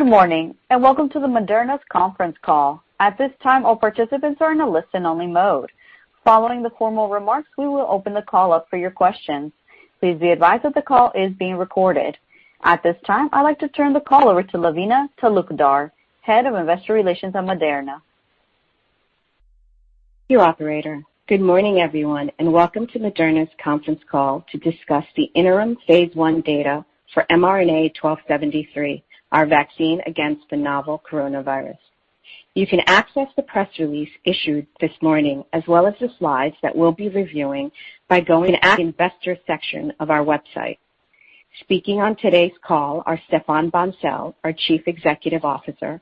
Good morning. Welcome to the Moderna's conference call. At this time, all participants are in a listen-only mode. Following the formal remarks, we will open the call up for your questions. Please be advised that the call is being recorded. At this time, I'd like to turn the call over to Lavina Talukdar, Head of Investor Relations at Moderna. Thank you, operator. Good morning, everyone, and welcome to Moderna's conference call to discuss the interim phase I data for mRNA-1273, our vaccine against the novel coronavirus. You can access the press release issued this morning, as well as the slides that we'll be reviewing, by going at investor section of our website. Speaking on today's call are Stéphane Bancel, our Chief Executive Officer,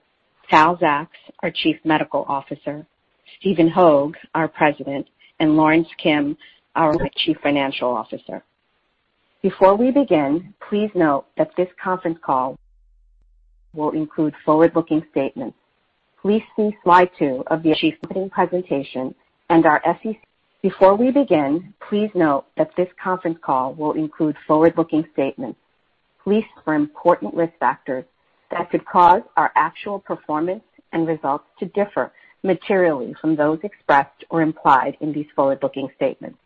Tal Zaks, our Chief Medical Officer, Stephen Hoge, our President, and Lorence Kim, our Chief Financial Officer. Before we begin, please note that this conference call will include forward-looking statements. Please see slide two of the presentation and our SEC. Before we begin, please note that this conference call will include forward-looking statements. Please see our SEC filings for important risk factors that could cause our actual performance and results to differ materially from those expressed or implied in these forward-looking statements.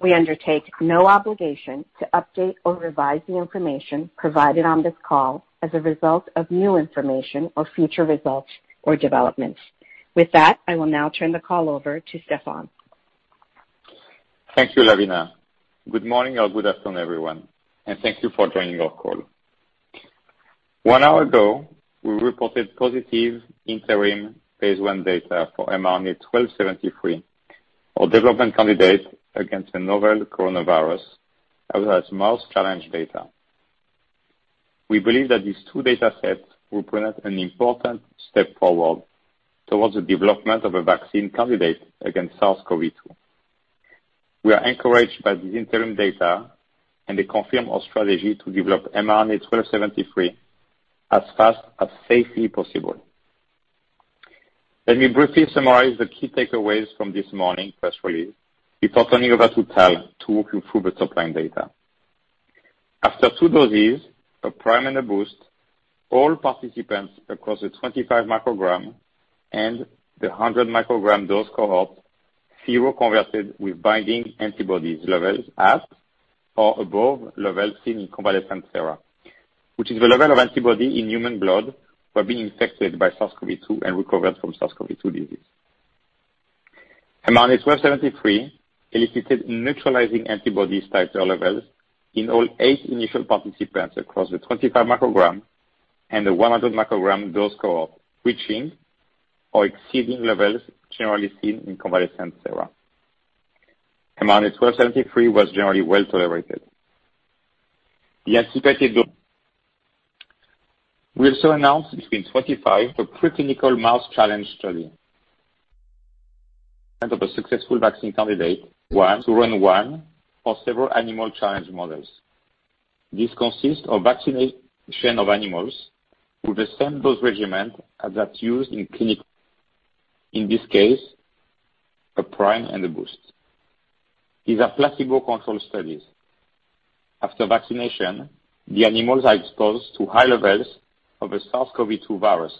We undertake no obligation to update or revise the information provided on this call as a result of new information or future results or developments. With that, I will now turn the call over to Stéphane. Thank you, Lavina. Good morning or good afternoon, everyone, and thank you for joining our call. One hour ago, we reported positive interim phase I data for mRNA-1273, our development candidate against the novel coronavirus, as well as mouse challenge data. We believe that these two data sets represent an important step forward towards the development of a vaccine candidate against SARS-CoV-2. We are encouraged by the interim data. They confirm our strategy to develop mRNA-1273 as fast as safely possible. Let me briefly summarize the key takeaways from this morning press release before turning over to Tal to walk you through the top-line data. After two doses, a prime and a boost, all participants across the 25 microgram and the 100 microgram dose cohort seroconverted with binding antibodies levels at or above levels seen in convalescent sera, which is the level of antibody in human blood for being infected by SARS-CoV-2 and recovered from SARS-CoV-2 disease. mRNA-1273 elicited neutralizing antibody titer levels in all eight initial participants across the 25 microgram and the 100 microgram dose cohort, reaching or exceeding levels generally seen in convalescent sera. mRNA-1273 was generally well-tolerated. We also announced between 25 for preclinical mouse challenge study and of a successful vaccine candidate, one to run one or several animal challenge models. This consists of vaccination of animals with the same dose regimen as that used in clinical. In this case, a prime and a boost. These are placebo-controlled studies. After vaccination, the animals are exposed to high levels of a SARS-CoV-2 virus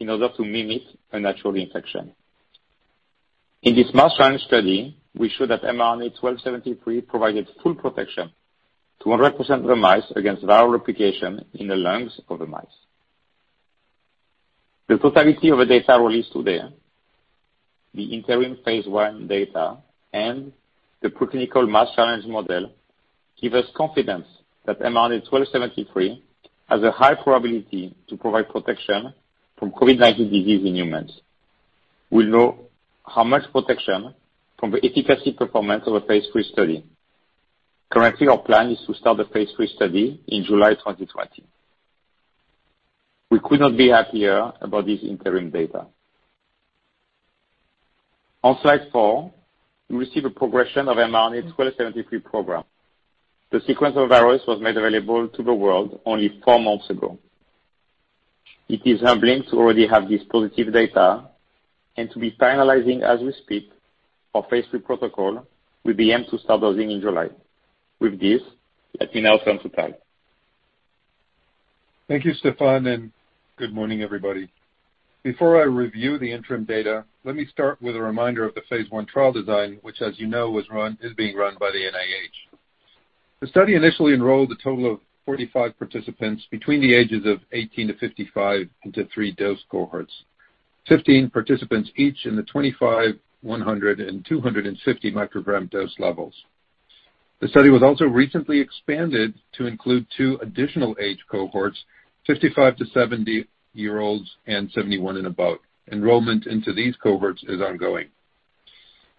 in order to mimic a natural infection. In this mouse challenge study, we showed that mRNA-1273 provided full protection to 100% of the mice against viral replication in the lungs of the mice. The totality of the data released today, the interim phase I data, and the preclinical mouse challenge model, give us confidence that mRNA-1273 has a high probability to provide protection from COVID-19 disease in humans. We'll know how much protection from the efficacy performance of a phase III study. Currently, our plan is to start the phase III study in July 2020. We could not be happier about this interim data. On slide four, you receive a progression of mRNA-1273 program. The sequence of virus was made available to the world only four months ago. It is humbling to already have this positive data and to be finalizing as we speak our phase III protocol with the aim to start dosing in July. With this, let me now turn to Tal. Thank you, Stéphane. Good morning, everybody. Before I review the interim data, let me start with a reminder of the phase I trial design, which as you know is being run by the NIH. The study initially enrolled a total of 45 participants between the ages of 18 to 55 into 3 dose cohorts. 15 participants each in the 25, 100, and 250 microgram dose levels. The study was also recently expanded to include 2 additional age cohorts, 55 to 70-year-olds and 71 and above. Enrollment into these cohorts is ongoing.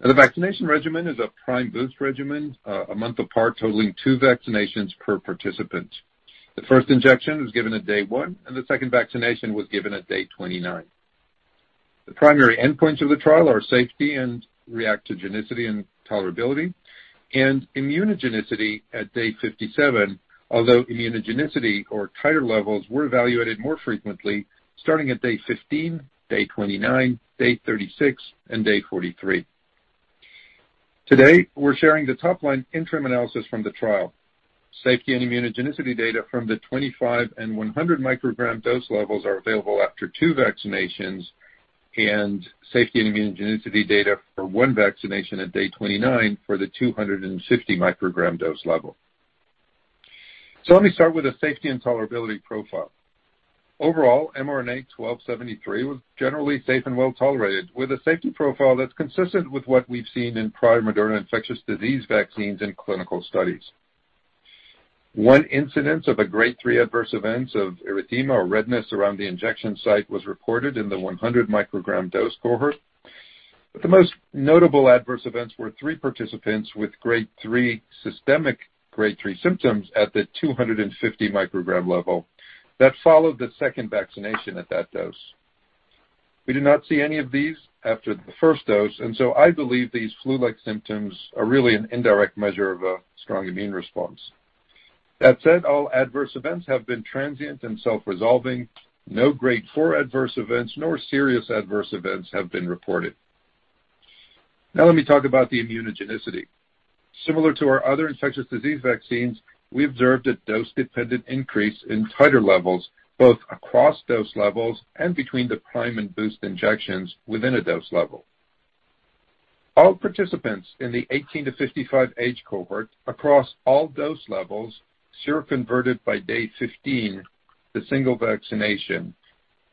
The vaccination regimen is a prime boost regimen, a month apart, totaling 2 vaccinations per participant. The first injection was given at day 1. The second vaccination was given at day 29. The primary endpoints of the trial are safety and reactogenicity and tolerability, and immunogenicity at day 57, although immunogenicity or titer levels were evaluated more frequently starting at day 15, day 29, day 36, and day 43.Today, we're sharing the top-line interim analysis from the trial. Safety and immunogenicity data from the 25 and 100 microgram dose levels are available after two vaccinations, and safety and immunogenicity data for one vaccination at day 29 for the 250 microgram dose level. Let me start with the safety and tolerability profile. Overall, mRNA-1273 was generally safe and well-tolerated with a safety profile that's consistent with what we've seen in prior Moderna infectious disease vaccines in clinical studies. One incidence of a grade 3 adverse event of erythema, or redness, around the injection site was reported in the 100 microgram dose cohort, but the most notable adverse events were three participants with systemic grade 3 symptoms at the 250 microgram level that followed the second vaccination at that dose. We did not see any of these after the first dose, and so I believe these flu-like symptoms are really an indirect measure of a strong immune response. That said, all adverse events have been transient and self-resolving. No grade 4 adverse events, nor serious adverse events have been reported. Now let me talk about the immunogenicity. Similar to our other infectious disease vaccines, we observed a dose-dependent increase in titer levels both across dose levels and between the prime and boost injections within a dose level. All participants in the 18 to 55 age cohort across all dose levels seroconverted by day 15, the single vaccination,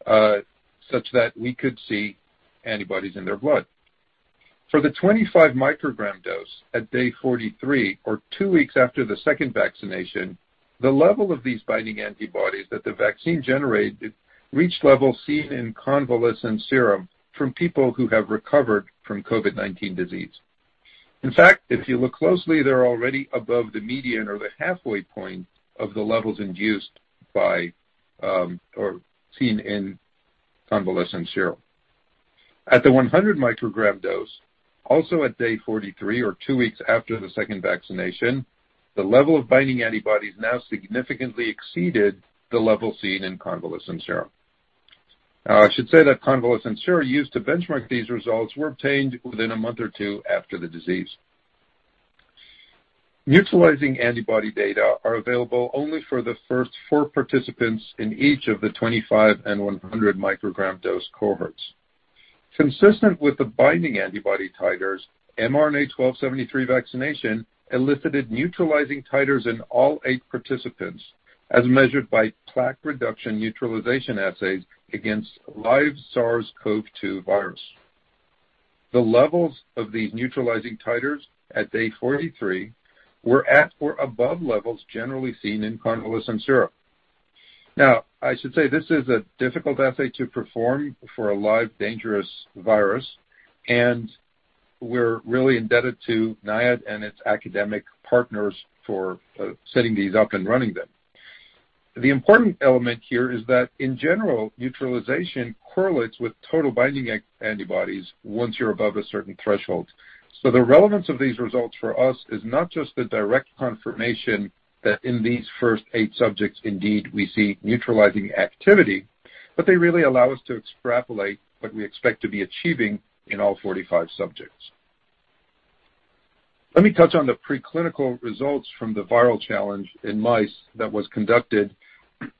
such that we could see antibodies in their blood. For the 25 microgram dose at day 43, or two weeks after the second vaccination, the level of these binding antibodies that the vaccine generated reached levels seen in convalescent serum from people who have recovered from COVID-19 disease. In fact, if you look closely, they're already above the median or the halfway point of the levels induced by or seen in convalescent serum. At the 100 microgram dose, also at day 43 or two weeks after the second vaccination, the level of binding antibodies now significantly exceeded the level seen in convalescent serum. Now, I should say that convalescent serum used to benchmark these results were obtained within a month or two after the disease. Neutralizing antibody data are available only for the first four participants in each of the 25 and 100 microgram dose cohorts. Consistent with the binding antibody titers, mRNA-1273 vaccination elicited neutralizing titers in all eight participants, as measured by plaque reduction neutralization assays against live SARS-CoV-2 virus. The levels of these neutralizing titers at day 43 were at or above levels generally seen in convalescent serum. I should say this is a difficult assay to perform for a live dangerous virus, and we're really indebted to NIAID and its academic partners for setting these up and running them. The important element here is that in general, neutralization correlates with total binding antibodies once you're above a certain threshold. The relevance of these results for us is not just the direct confirmation that in these first eight subjects, indeed, we see neutralizing activity, but they really allow us to extrapolate what we expect to be achieving in all 45 subjects. Let me touch on the preclinical results from the viral challenge in mice that was conducted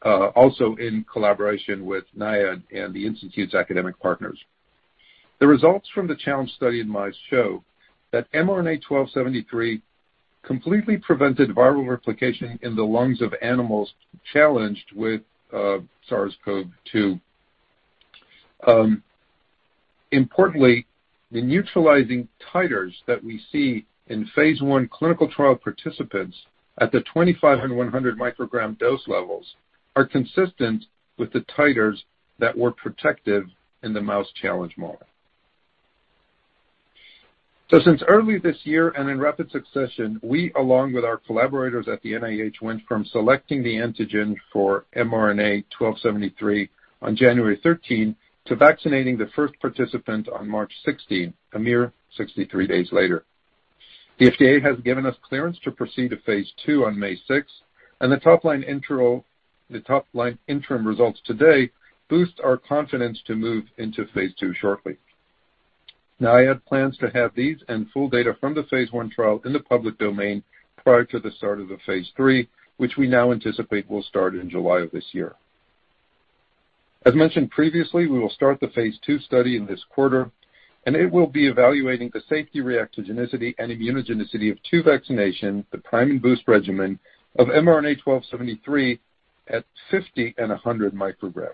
also in collaboration with NIAID and the institute's academic partners. The results from the challenge study in mice show that mRNA-1273 completely prevented viral replication in the lungs of animals challenged with SARS-CoV-2. Importantly, the neutralizing titers that we see in phase I clinical trial participants at the 2,500 and 100 microgram dose levels are consistent with the titers that were protective in the mouse challenge model. Since early this year, and in rapid succession, we along with our collaborators at the NIH, went from selecting the antigen for mRNA-1273 on January 13 to vaccinating the first participant on March 16, a mere 63 days later. The FDA has given us clearance to proceed to phase II on May 6, the top-line interim results today boost our confidence to move into phase II shortly. NIAID plans to have these and full data from the phase I trial in the public domain prior to the start of the phase III, which we now anticipate will start in July of this year. As mentioned previously, we will start the phase II study in this quarter, it will be evaluating the safety reactogenicity and immunogenicity of two vaccinations, the prime and boost regimen of mRNA-1273 at 50 and 100 microgram.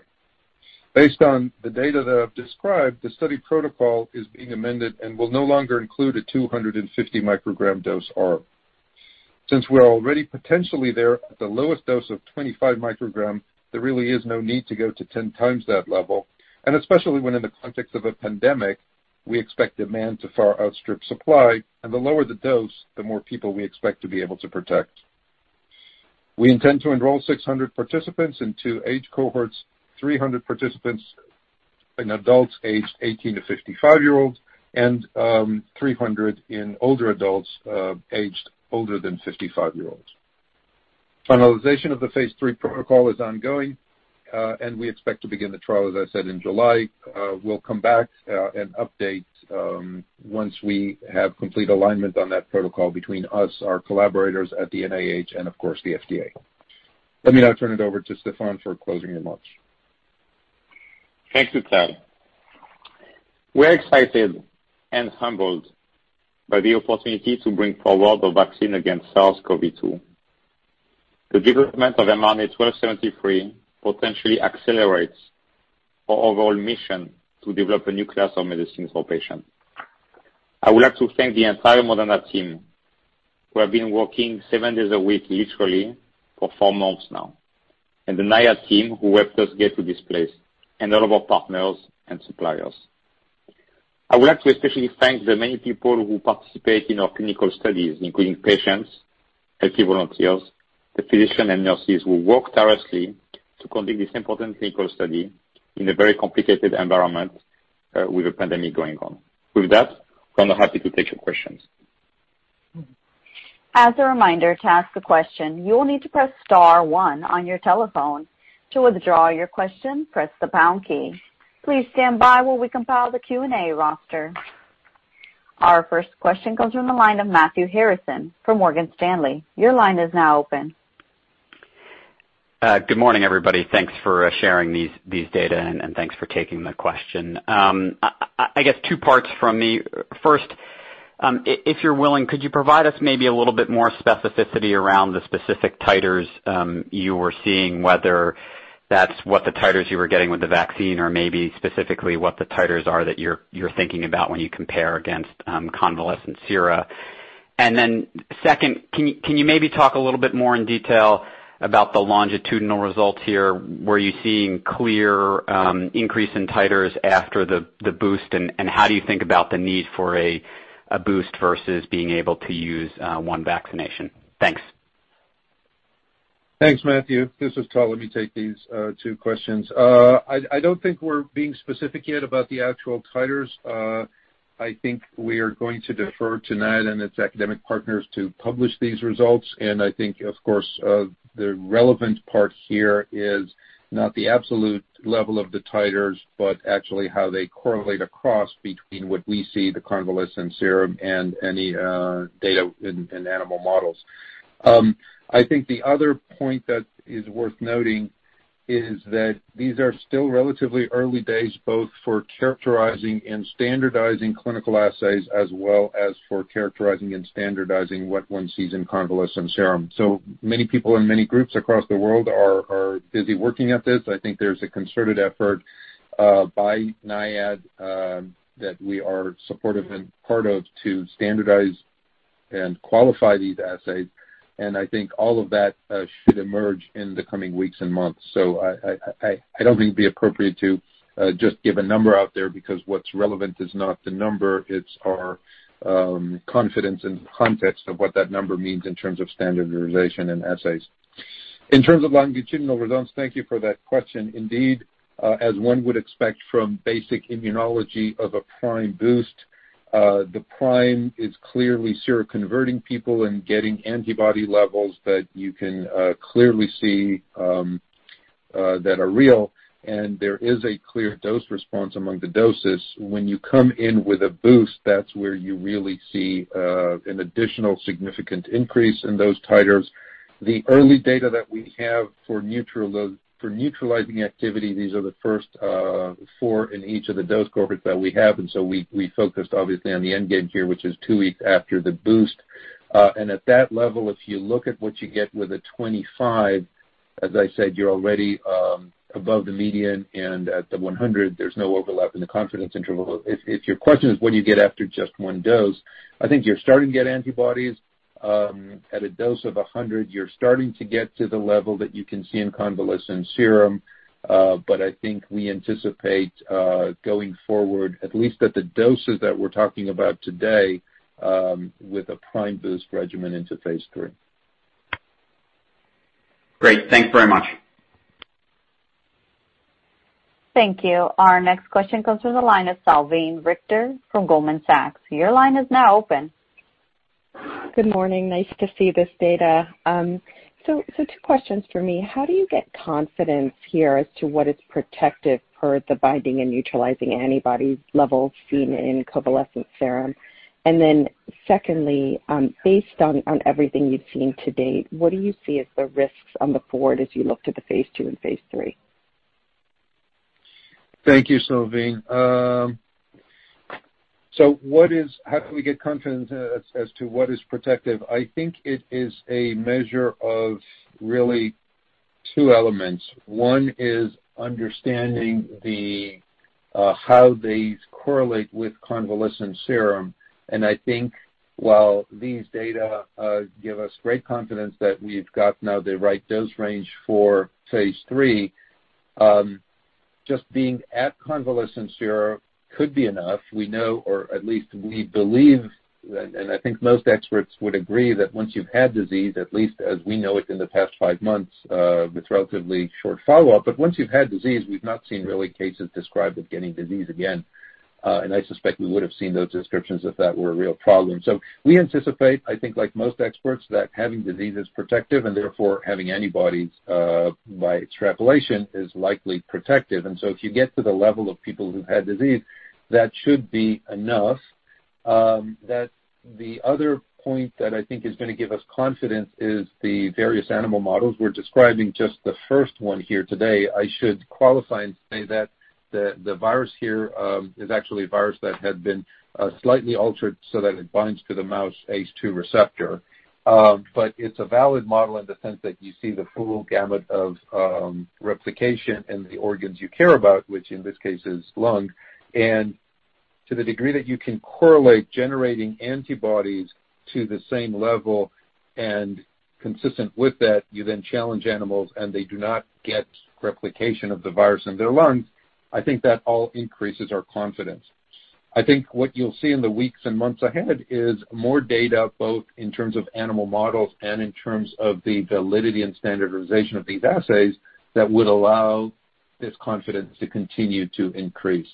Based on the data that I've described, the study protocol is being amended and will no longer include a 250 microgram dose arm. Since we're already potentially there at the lowest dose of 25 microgram, there really is no need to go to ten times that level, and especially when in the context of a pandemic, we expect demand to far outstrip supply, and the lower the dose, the more people we expect to be able to protect. We intend to enroll 600 participants in two age cohorts, 300 participants in adults aged 18 to 55 year olds, and 300 in older adults aged older than 55 year olds. Finalization of the phase III protocol is ongoing, we expect to begin the trial, as I said, in July. We'll come back and update once we have complete alignment on that protocol between us, our collaborators at the NIH, and, of course, the FDA. Let me now turn it over to Stéphane for closing remarks. Thanks to Tal. We're excited and humbled by the opportunity to bring forward the vaccine against SARS-CoV-2. The development of mRNA-1273 potentially accelerates our overall mission to develop a new class of medicines for patients. I would like to thank the entire Moderna team, who have been working seven days a week, literally, for four months now, and the NIAID team who helped us get to this place, and all of our partners and suppliers. I would like to especially thank the many people who participate in our clinical studies, including patients, healthy volunteers, the physicians and nurses who work tirelessly to conduct this important clinical study in a very complicated environment with a pandemic going on. With that, I'm now happy to take your questions. As a reminder, to ask a question, you will need to press star one on your telephone. To withdraw your question, press the pound key. Please stand by while we compile the Q&A roster. Our first question comes from the line of Matthew Harrison from Morgan Stanley. Your line is now open. Good morning, everybody. Thanks for sharing these data, and thanks for taking the question. I guess two parts from me. First, if you're willing, could you provide us maybe a little bit more specificity around the specific titers you were seeing, whether that's what the titers you were getting with the vaccine or maybe specifically what the titers are that you're thinking about when you compare against convalescent sera? Second, can you maybe talk a little bit more in detail about the longitudinal results here? Were you seeing clear increase in titers after the boost, and how do you think about the need for a boost versus being able to use one vaccination? Thanks. Thanks, Matthew. This is Tal. Let me take these two questions. I don't think we're being specific yet about the actual titers. I think we are going to defer to NIAID and its academic partners to publish these results. I think, of course, the relevant part here is not the absolute level of the titers, but actually how they correlate across between what we see, the convalescent serum, and any data in animal models. I think the other point that is worth noting is that these are still relatively early days, both for characterizing and standardizing clinical assays as well as for characterizing and standardizing what one sees in convalescent serum. Many people in many groups across the world are busy working at this. I think there's a concerted effort by NIAID that we are supportive and part of to standardize and qualify these assays, and I think all of that should emerge in the coming weeks and months. I don't think it'd be appropriate to just give a number out there because what's relevant is not the number, it's our confidence in the context of what that number means in terms of standardization and assays. In terms of longitudinal results, thank you for that question. Indeed, as one would expect from basic immunology of a prime boost, the prime is clearly seroconverting people and getting antibody levels that you can clearly see that are real, and there is a clear dose response among the doses. When you come in with a boost, that's where you really see an additional significant increase in those titers. The early data that we have for neutralizing activity, these are the first four in each of the dose cohorts that we have, so we focused obviously on the end game here, which is two weeks after the boost. At that level, if you look at what you get with a 25, as I said, you're already above the median, and at the 100, there's no overlap in the confidence interval. If your question is what do you get after just one dose, I think you're starting to get antibodies. At a dose of 100, you're starting to get to the level that you can see in convalescent serum. I think we anticipate, going forward, at least at the doses that we're talking about today, with a prime boost regimen into phase III. Great. Thanks very much. Thank you. Our next question comes from the line of Salveen Richter from Goldman Sachs. Your line is now open. Good morning. Nice to see this data. Two questions from me. How do you get confidence here as to what is protective per the binding and neutralizing antibody levels seen in convalescent serum? Secondly, based on everything you've seen to date, what do you see as the risks on the forward as you look to the phase II and phase III? Thank you, Salveen. How can we get confidence as to what is protective? I think it is a measure of really two elements. One is understanding how these correlate with convalescent serum, and I think while these data give us great confidence that we've got now the right dose range for phase III, just being at convalescent serum could be enough. We know, or at least we believe, and I think most experts would agree that once you've had disease, at least as we know it in the past five months with relatively short follow-up, but once you've had disease, we've not seen really cases described of getting disease again. I suspect we would have seen those descriptions if that were a real problem. We anticipate, I think like most experts, that having disease is protective, and therefore having antibodies, by extrapolation, is likely protective. If you get to the level of people who've had disease, that should be enough. The other point that I think is going to give us confidence is the various animal models. We're describing just the first one here today. I should qualify and say that the virus here is actually a virus that had been slightly altered so that it binds to the mouse ACE2 receptor. It's a valid model in the sense that you see the full gamut of replication in the organs you care about, which in this case is lung. To the degree that you can correlate generating antibodies to the same level, and consistent with that, you then challenge animals, and they do not get replication of the virus in their lungs, I think that all increases our confidence. I think what you'll see in the weeks and months ahead is more data, both in terms of animal models and in terms of the validity and standardization of these assays that would allow this confidence to continue to increase.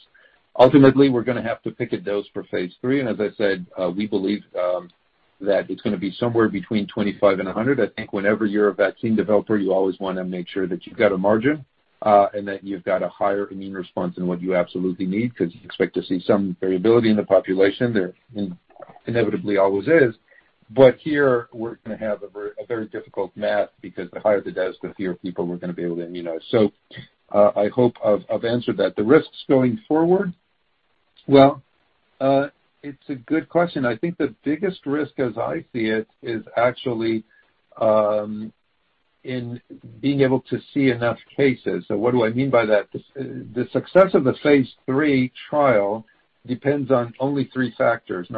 Ultimately, we're going to have to pick a dose for phase III, and as I said, we believe that it's going to be somewhere between 25 and 100. I think whenever you're a vaccine developer, you always want to make sure that you've got a margin, and that you've got a higher immune response than what you absolutely need, because you expect to see some variability in the population. There inevitably always is. Here, we're going to have a very difficult math because the higher the dose, the fewer people we're going to be able to immunize. I hope I've answered that. The risks going forward, well, it's a good question. I think the biggest risk, as I see it, is actually in being able to see enough cases. What do I mean by that? The success of the phase III trial depends on only two factors.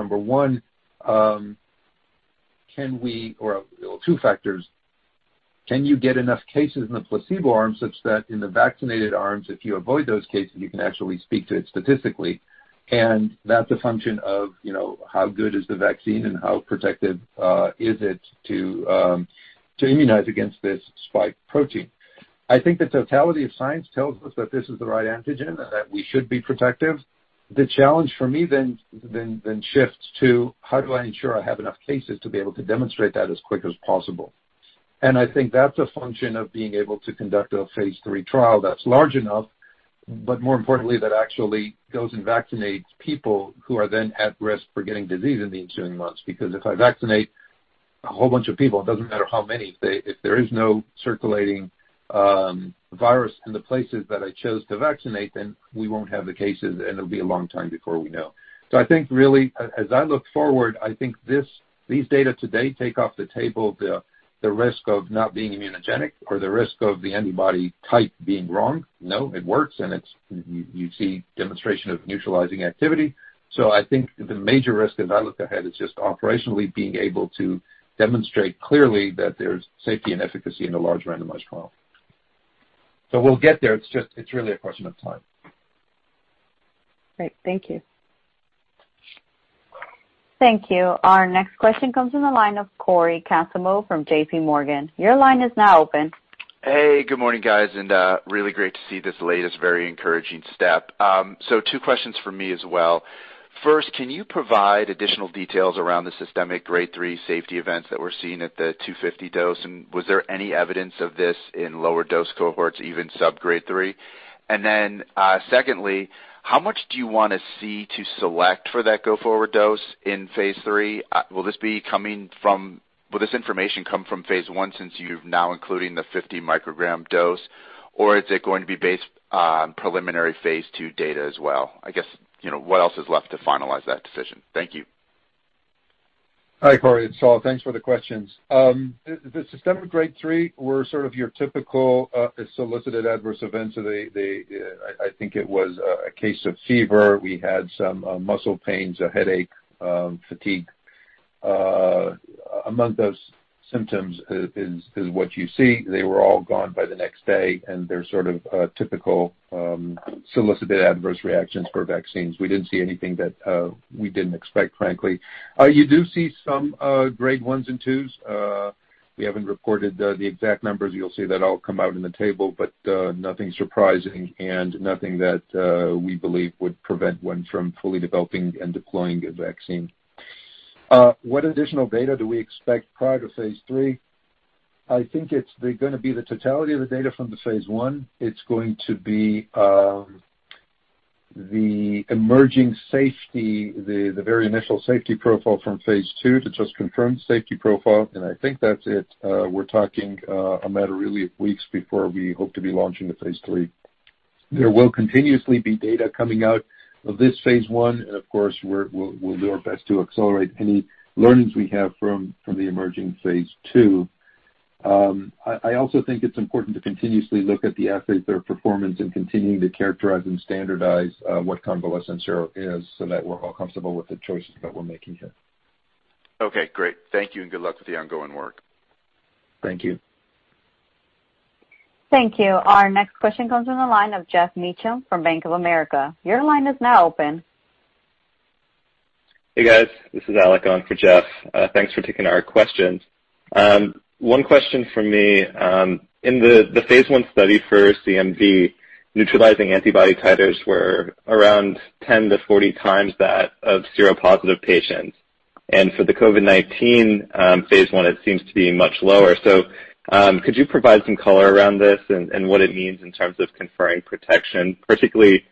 Can you get enough cases in the placebo arm such that in the vaccinated arms, if you avoid those cases, you can actually speak to it statistically? That's a function of how good is the vaccine and how protective is it to immunize against this spike protein. I think the totality of science tells us that this is the right antigen and that we should be protective. The challenge for me then shifts to how do I ensure I have enough cases to be able to demonstrate that as quick as possible? I think that's a function of being able to conduct a phase III trial that's large enough, but more importantly, that actually goes and vaccinates people who are then at risk for getting disease in the ensuing months. If I vaccinate a whole bunch of people, it doesn't matter how many, if there is no circulating virus in the places that I chose to vaccinate, then we won't have the cases, and it'll be a long time before we know. I think really, as I look forward, I think these data today take off the table the risk of not being immunogenic or the risk of the antibody type being wrong. No, it works, and you see demonstration of neutralizing activity. I think the major risk as I look ahead is just operationally being able to demonstrate clearly that there's safety and efficacy in a large randomized trial. We'll get there. It's really a question of time. Great. Thank you. Thank you. Our next question comes from the line of Corey Casimov from JPMorgan. Your line is now open. Hey, good morning, guys, really great to see this latest, very encouraging step. Two questions from me as well. First, can you provide additional details around the systemic grade 3 safety events that we're seeing at the 250 dose? Was there any evidence of this in lower dose cohorts, even sub-grade 3? Secondly, how much do you want to see to select for that go forward dose in phase III? Will this information come from phase I since you're now including the 50 microgram dose, or is it going to be based on preliminary phase II data as well? I guess, what else is left to finalize that decision? Thank you. Hi, Cory. It's Tal. Thanks for the questions. The systemic grade 3 were sort of your typical solicited adverse events. I think it was a case of fever. We had some muscle pains, a headache, fatigue. Among those symptoms is what you see. They were all gone by the next day, and they're sort of typical solicited adverse reactions for vaccines. We didn't see anything that we didn't expect, frankly. You do see some grade 1s and 2s. We haven't reported the exact numbers. You'll see that all come out in the table. Nothing surprising and nothing that we believe would prevent one from fully developing and deploying a vaccine. What additional data do we expect prior to phase III? I think it's going to be the totality of the data from the phase I. It's going to be the emerging safety, the very initial safety profile from phase II to just confirm safety profile, and I think that's it. We're talking a matter, really, of weeks before we hope to be launching the phase III. There will continuously be data coming out of this phase I, and of course, we'll do our best to accelerate any learnings we have from the emerging phase II. I also think it's important to continuously look at the assays, their performance, and continuing to characterize and standardize what convalescent serum is so that we're all comfortable with the choices that we're making here. Okay, great. Thank you, and good luck with the ongoing work. Thank you. Thank you. Our next question comes from the line of Geoff Meacham from Bank of America. Your line is now open. Hey guys, this is Alec on for Geoff. Thanks for taking our questions. One question from me. In the phase I study for CMV, neutralizing antibody titers were around 10 to 40 times that of seropositive patients. For the COVID-19 phase I, it seems to be much lower. Could you provide some color around this and what it means in terms of conferring protection, particularly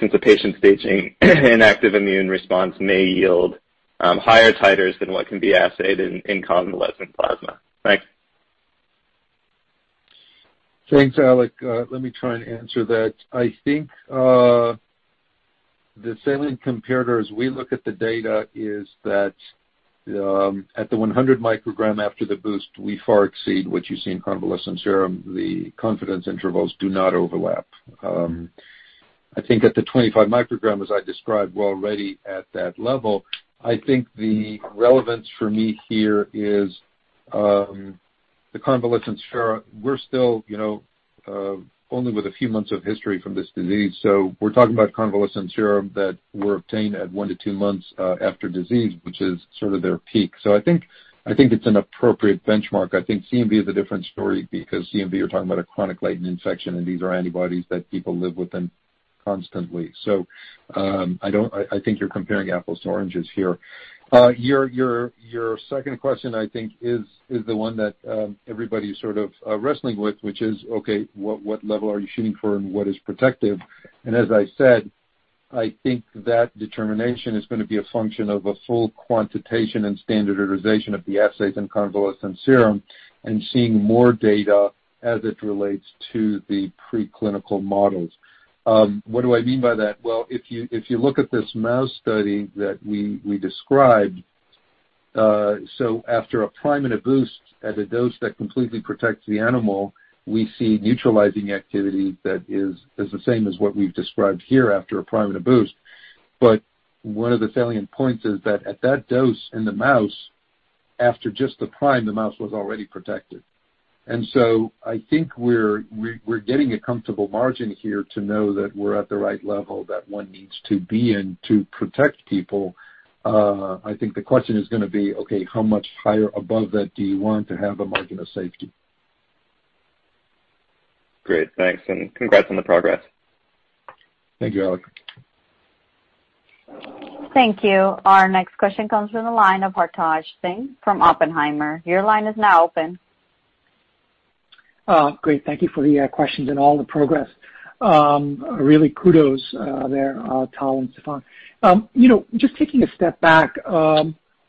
since a patient's staging an active immune response may yield higher titers than what can be assayed in convalescent plasma? Thanks. Thanks, Alec. Let me try and answer that. I think the salient comparator as we look at the data is that at the 100 microgram after the boost, we far exceed what you see in convalescent serum. The confidence intervals do not overlap. I think at the 25 microgram, as I described, we're already at that level. I think the relevance for me here is the convalescent serum. We're still only with a few months of history from this disease. We're talking about convalescent serum that were obtained at one to two months after disease, which is sort of their peak. I think it's an appropriate benchmark. I think CMV is a different story because CMV, you're talking about a chronic latent infection, and these are antibodies that people live with constantly. I think you're comparing apples to oranges here. Your second question, I think, is the one that everybody's sort of wrestling with, which is, okay, what level are you shooting for and what is protective? As I said, I think that determination is going to be a function of a full quantitation and standardization of the assays in convalescent serum and seeing more data as it relates to the preclinical models. What do I mean by that? Well, if you look at this mouse study that we described, after a prime and a boost at a dose that completely protects the animal, we see neutralizing activity that is the same as what we've described here after a prime and a boost. One of the salient points is that at that dose in the mouse, after just the prime, the mouse was already protected. I think we're getting a comfortable margin here to know that we're at the right level that one needs to be in to protect people. I think the question is going to be, okay, how much higher above that do you want to have a margin of safety? Great. Thanks, and congrats on the progress. Thank you, Alec. Thank you. Our next question comes from the line of Hartaj Singh from Oppenheimer. Your line is now open. Great. Thank you for the questions and all the progress. Really kudos there, Tal and Stéphane. Just taking a step back,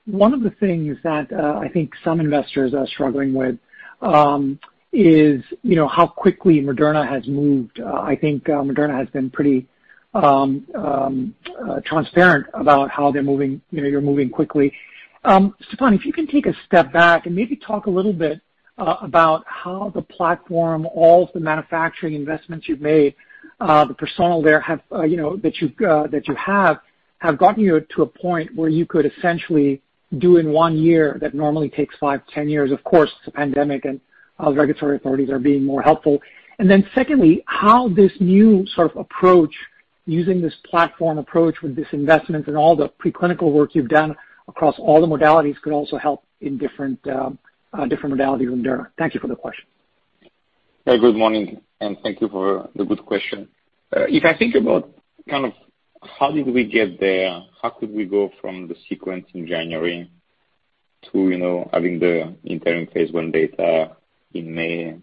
one of the things that I think some investors are struggling with is how quickly Moderna has moved. I think Moderna has been pretty transparent about how they're moving quickly. Stéphane, if you can take a step back and maybe talk a little bit about how the platform, all of the manufacturing investments you've made, the personnel there that you have gotten you to a point where you could essentially do in one year what normally takes 5 to 10 years. Of course, it's a pandemic, regulatory authorities are being more helpful. Secondly, how this new sort of approach, using this platform approach with this investment and all the preclinical work you've done across all the modalities could also help in different modalities of Moderna. Thank you for the question. Good morning, and thank you for the good question. If I think about how did we get there, how could we go from the sequence in January to having the interim phase I data in May,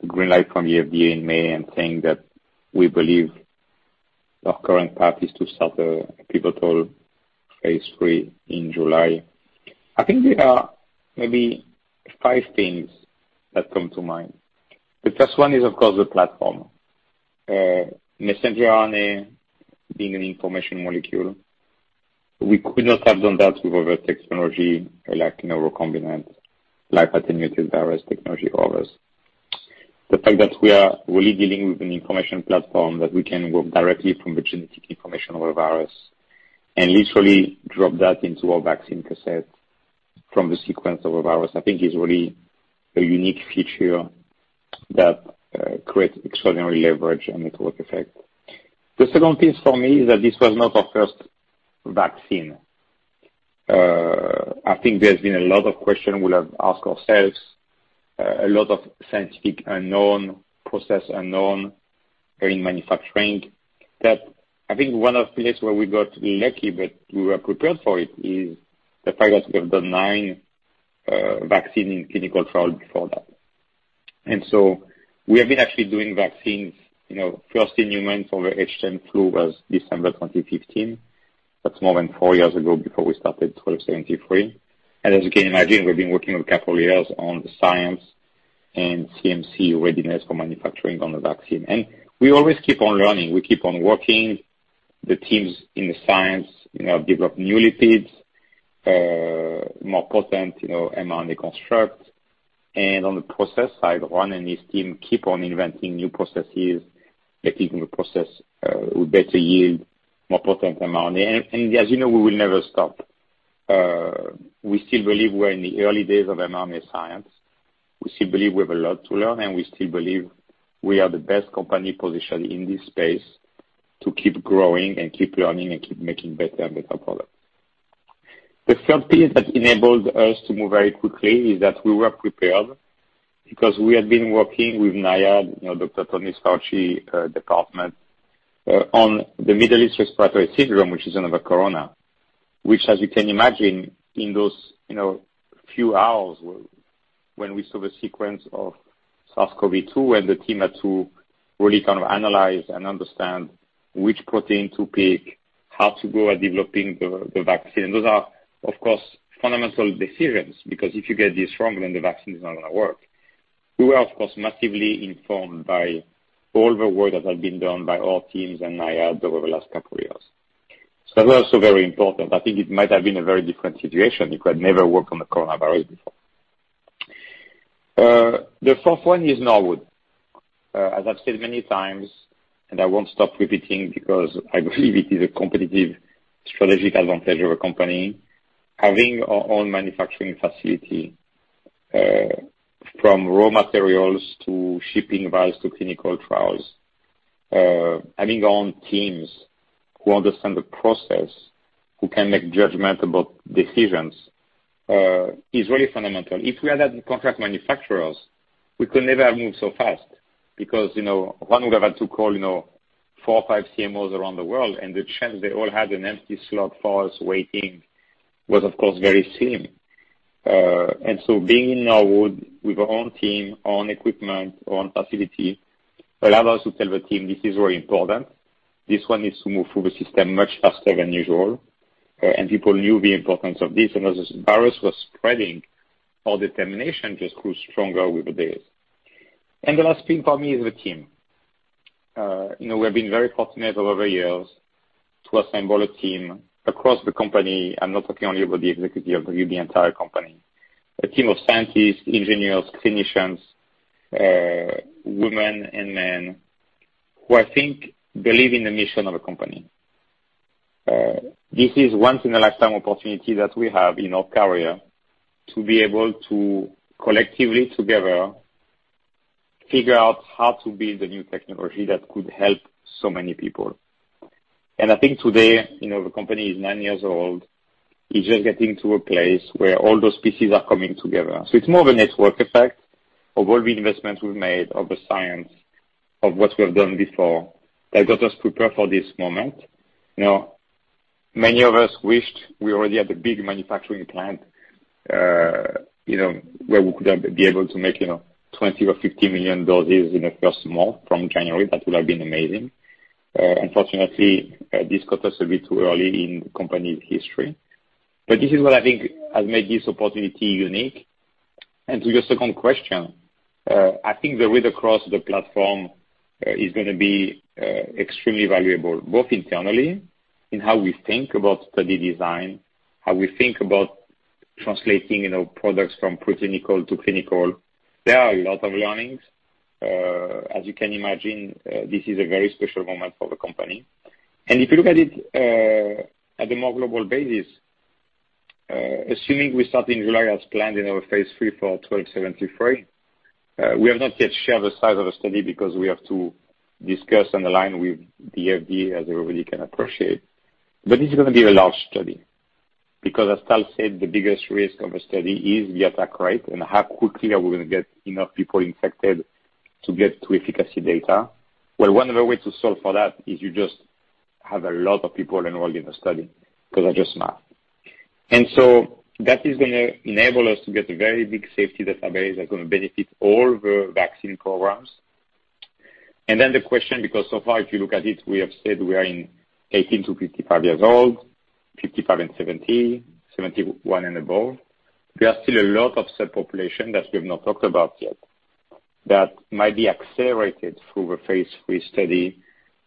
the green light from the FDA in May, and saying that we believe our current path is to start a pivotal phase III in July. I think there are maybe five things that come to mind. The first one is, of course, the platform. Messenger RNA being an information molecule. We could not have done that with other technology like recombinant live attenuated virus technology or others. The fact that we are really dealing with an information platform that we can work directly from the genetic information of a virus and literally drop that into our vaccine cassette from the sequence of a virus, I think is really a unique feature that creates extraordinary leverage and network effect. The second piece for me is that this was not our first vaccine. I think there's been a lot of questions we have asked ourselves, a lot of scientific unknown, process unknown during manufacturing. I think one of the places where we got lucky, but we were prepared for it, is the fact that we have done nine vaccine clinical trial before that. We have been actually doing vaccines, first in humans for the H10N8 flu was December 2015. That's more than four years ago before we started 1273. As you can imagine, we've been working a couple years on the science and CMC readiness for manufacturing on the vaccine. We always keep on learning. We keep on working. The teams in the science develop new lipids, more potent mRNA construct. On the process side, Ron and his team keep on inventing new processes, making the process with better yield, more potent mRNA. As you know, we will never stop. We still believe we're in the early days of mRNA science. We still believe we have a lot to learn, and we still believe we are the best company positioned in this space to keep growing and keep learning and keep making better and better products. The third piece that enabled us to move very quickly is that we were prepared because we had been working with NIAID, Dr. Anthony Fauci, department, on the Middle East respiratory syndrome, which is another corona, which, as you can imagine, in those few hours when we saw the sequence of SARS-CoV-2 and the team had to really analyze and understand which protein to pick, how to go at developing the vaccine. Those are, of course, fundamental decisions, because if you get this wrong, then the vaccine is not going to work. We were, of course, massively informed by all the work that had been done by our teams and NIAID over the last couple years. That was also very important. I think it might have been a very different situation if we had never worked on the coronavirus before. The fourth one is Norwood. I've said many times, I won't stop repeating because I believe it is a competitive strategic advantage of a company, having our own manufacturing facility. From raw materials to shipping vials to clinical trials. Having our own teams who understand the process, who can make judgment about decisions, is really fundamental. If we had contract manufacturers, we could never have moved so fast because one, we'd have had to call 4 or 5 CMOs around the world, the chance they all had an empty slot for us waiting was, of course, very slim. Being in Norwood with our own team, own equipment, own facility, allowed us to tell the team, "This is very important. This one needs to move through the system much faster than usual." People knew the importance of this. As this virus was spreading, our determination just grew stronger with the days. The last thing for me is the team. We've been very fortunate over the years to assemble a team across the company. I'm not talking only about the executive, but the entire company. A team of scientists, engineers, clinicians, women and men who I think believe in the mission of the company. This is once in a lifetime opportunity that we have in our career to be able to collectively, together, figure out how to build a new technology that could help so many people. I think today, the company is nine years old. It's just getting to a place where all those pieces are coming together. It's more of a network effect of all the investments we've made, of the science, of what we have done before, that got us prepared for this moment. Many of us wished we already had the big manufacturing plant where we could have been able to make 20 or 50 million doses in the first month from January. That would have been amazing. Unfortunately, this caught us a bit too early in company history. This is what I think has made this opportunity unique. To your second question, I think the read-across the platform is going to be extremely valuable, both internally in how we think about study design, how we think about translating products from pre-clinical to clinical. There are a lot of learnings. As you can imagine, this is a very special moment for the company. If you look at it at a more global basis, assuming we start in July as planned in our phase III for mRNA-1273, we have not yet shared the size of the study because we have to discuss and align with the FDA, as everybody can appreciate. This is going to be a large study, because as Tal Zaks said, the biggest risk of a study is the attack rate and how quickly are we going to get enough people infected to get to efficacy data. Well, one of the ways to solve for that is you just have a lot of people enrolled in the study, because that's just math. That is going to enable us to get a very big safety database that's going to benefit all the vaccine programs. The question, because so far, if you look at it, we have said we are in 18-55 years old, 55 and 70, 71 and above. There are still a lot of subpopulations that we have not talked about yet that might be accelerated through a phase III study.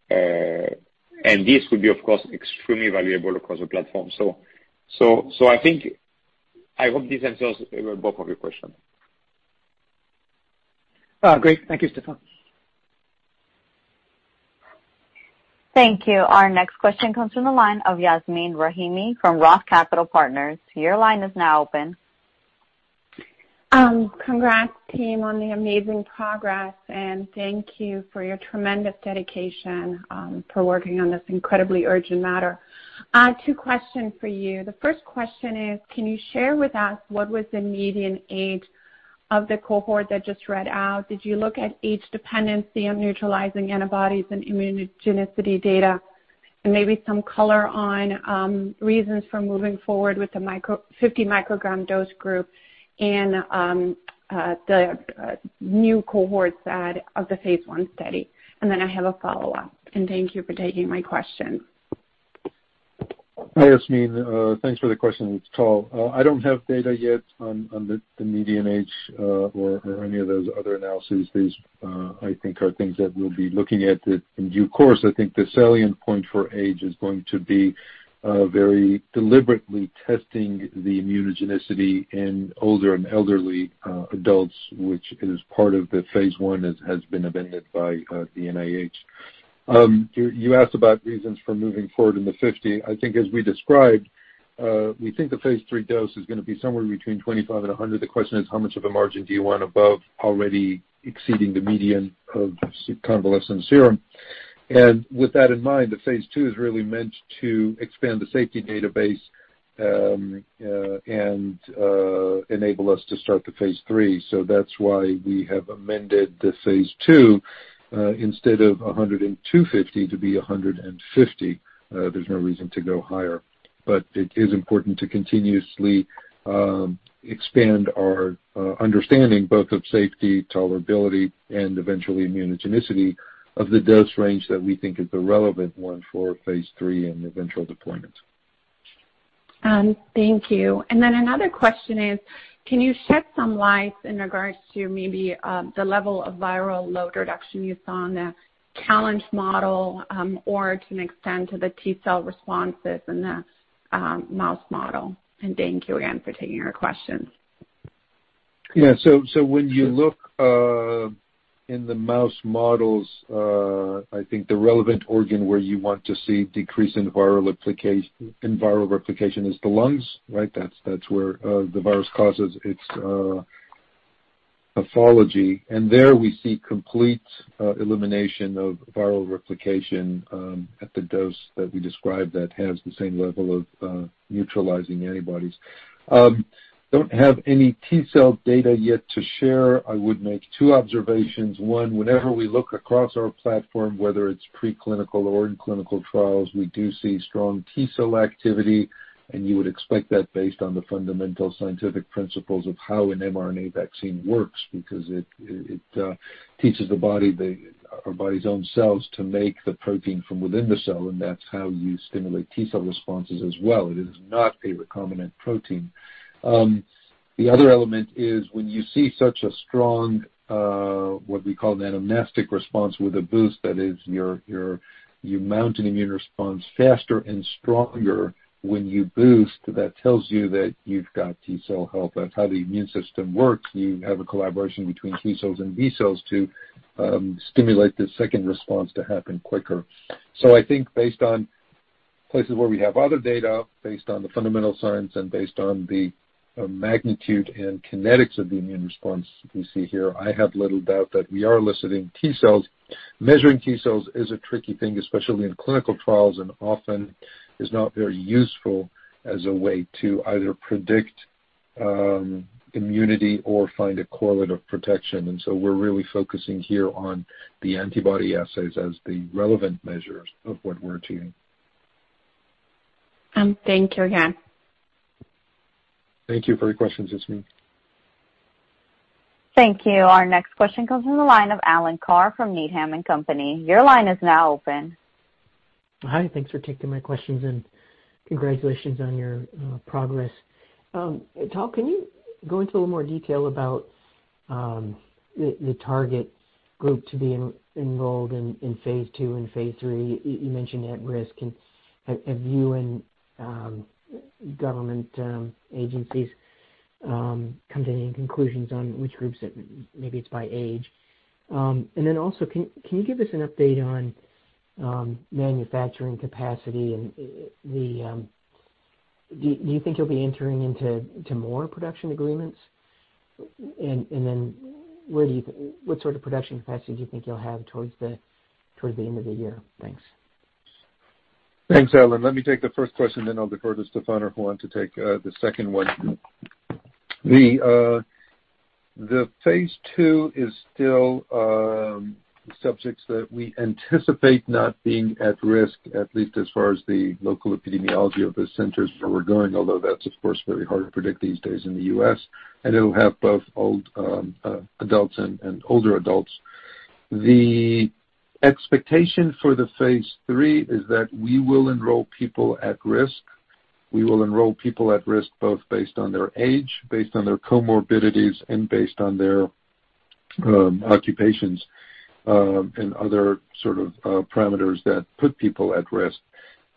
This would be, of course, extremely valuable across the platform. I think, I hope this answers both of your questions. Great. Thank you, Stéphane. Thank you. Our next question comes from the line of Yasmeen Rahimi from ROTH Capital Partners. Your line is now open. Congrats, team, on the amazing progress, and thank you for your tremendous dedication for working on this incredibly urgent matter. Two questions for you. The first question is, can you share with us what was the median age of the cohort that just read out? Did you look at age dependency on neutralizing antibodies and immunogenicity data? Maybe some color on reasons for moving forward with the 50 microgram dose group and the new cohorts of the phase I study. Then I have a follow-up. Thank you for taking my question. Hi, Yasmeen. Thanks for the question. It's Tal. I don't have data yet on the median age or any of those other analyses. These, I think, are things that we'll be looking at in due course. I think the salient point for age is going to be very deliberately testing the immunogenicity in older and elderly adults, which is part of the phase I, as has been amended by the NIH. You asked about reasons for moving forward in the 50. I think as we described, we think the phase III dose is going to be somewhere between 25 and 100. The question is, how much of a margin do you want above already exceeding the median of convalescent serum? With that in mind, the phase II is really meant to expand the safety database, and enable us to start the phase III. That's why we have amended the phase II, instead of 100 and 250 to be 150. There's no reason to go higher. It is important to continuously expand our understanding both of safety, tolerability, and eventually immunogenicity of the dose range that we think is the relevant one for phase III and eventual deployment. Thank you. Then another question is, can you shed some light in regards to maybe the level of viral load reduction you saw in the challenge model? To an extent, the T cell responses in the mouse model. Thank you again for taking our questions. When you look in the mouse models, I think the relevant organ where you want to see decrease in viral replication is the lungs, right? That's where the virus causes its pathology. There we see complete elimination of viral replication, at the dose that we described, that has the same level of neutralizing antibodies. Don't have any T cell data yet to share. I would make two observations. One, whenever we look across our platform, whether it's pre-clinical or in clinical trials, we do see strong T cell activity, and you would expect that based on the fundamental scientific principles of how an mRNA vaccine works, because it teaches our body's own cells to make the protein from within the cell, and that's how you stimulate T cell responses as well. It is not a recombinant protein. The other element is when you see such a strong, what we call an anamnestic response with a boost. That is, you mount an immune response faster and stronger when you boost. That tells you that you've got T cell help. That's how the immune system works. You have a collaboration between T cells and B cells to stimulate the second response to happen quicker. I think based on places where we have other data, based on the fundamental science, and based on the magnitude and kinetics of the immune response we see here, I have little doubt that we are eliciting T cells. Measuring T cells is a tricky thing, especially in clinical trials, and often is not very useful as a way to either predict immunity or find a correlate of protection. We're really focusing here on the antibody assays as the relevant measures of what we're achieving. Thank you again. Thank you for your questions, Yasmeen. Thank you. Our next question comes from the line of Alan Carr from Needham & Company. Your line is now open. Hi. Thanks for taking my questions and congratulations on your progress. Tal, can you go into a little more detail about the target group to be enrolled in phase II and phase III? You mentioned at risk. Have you and government agencies come to any conclusions on which groups that maybe it's by age? Also, can you give us an update on manufacturing capacity, and do you think you'll be entering into more production agreements? What sort of production capacity do you think you'll have towards the end of the year? Thanks. Thanks, Alan. Let me take the first question then I'll defer to Stéphane or Juan to take the second one. The phase II is still subjects that we anticipate not being at risk, at least as far as the local epidemiology of the centers where we're going, although that's of course very hard to predict these days in the U.S. It'll have both adults and older adults. The expectation for the phase III is that we will enroll people at risk. We will enroll people at risk both based on their age, based on their comorbidities, and based on their occupations, and other sort of parameters that put people at risk.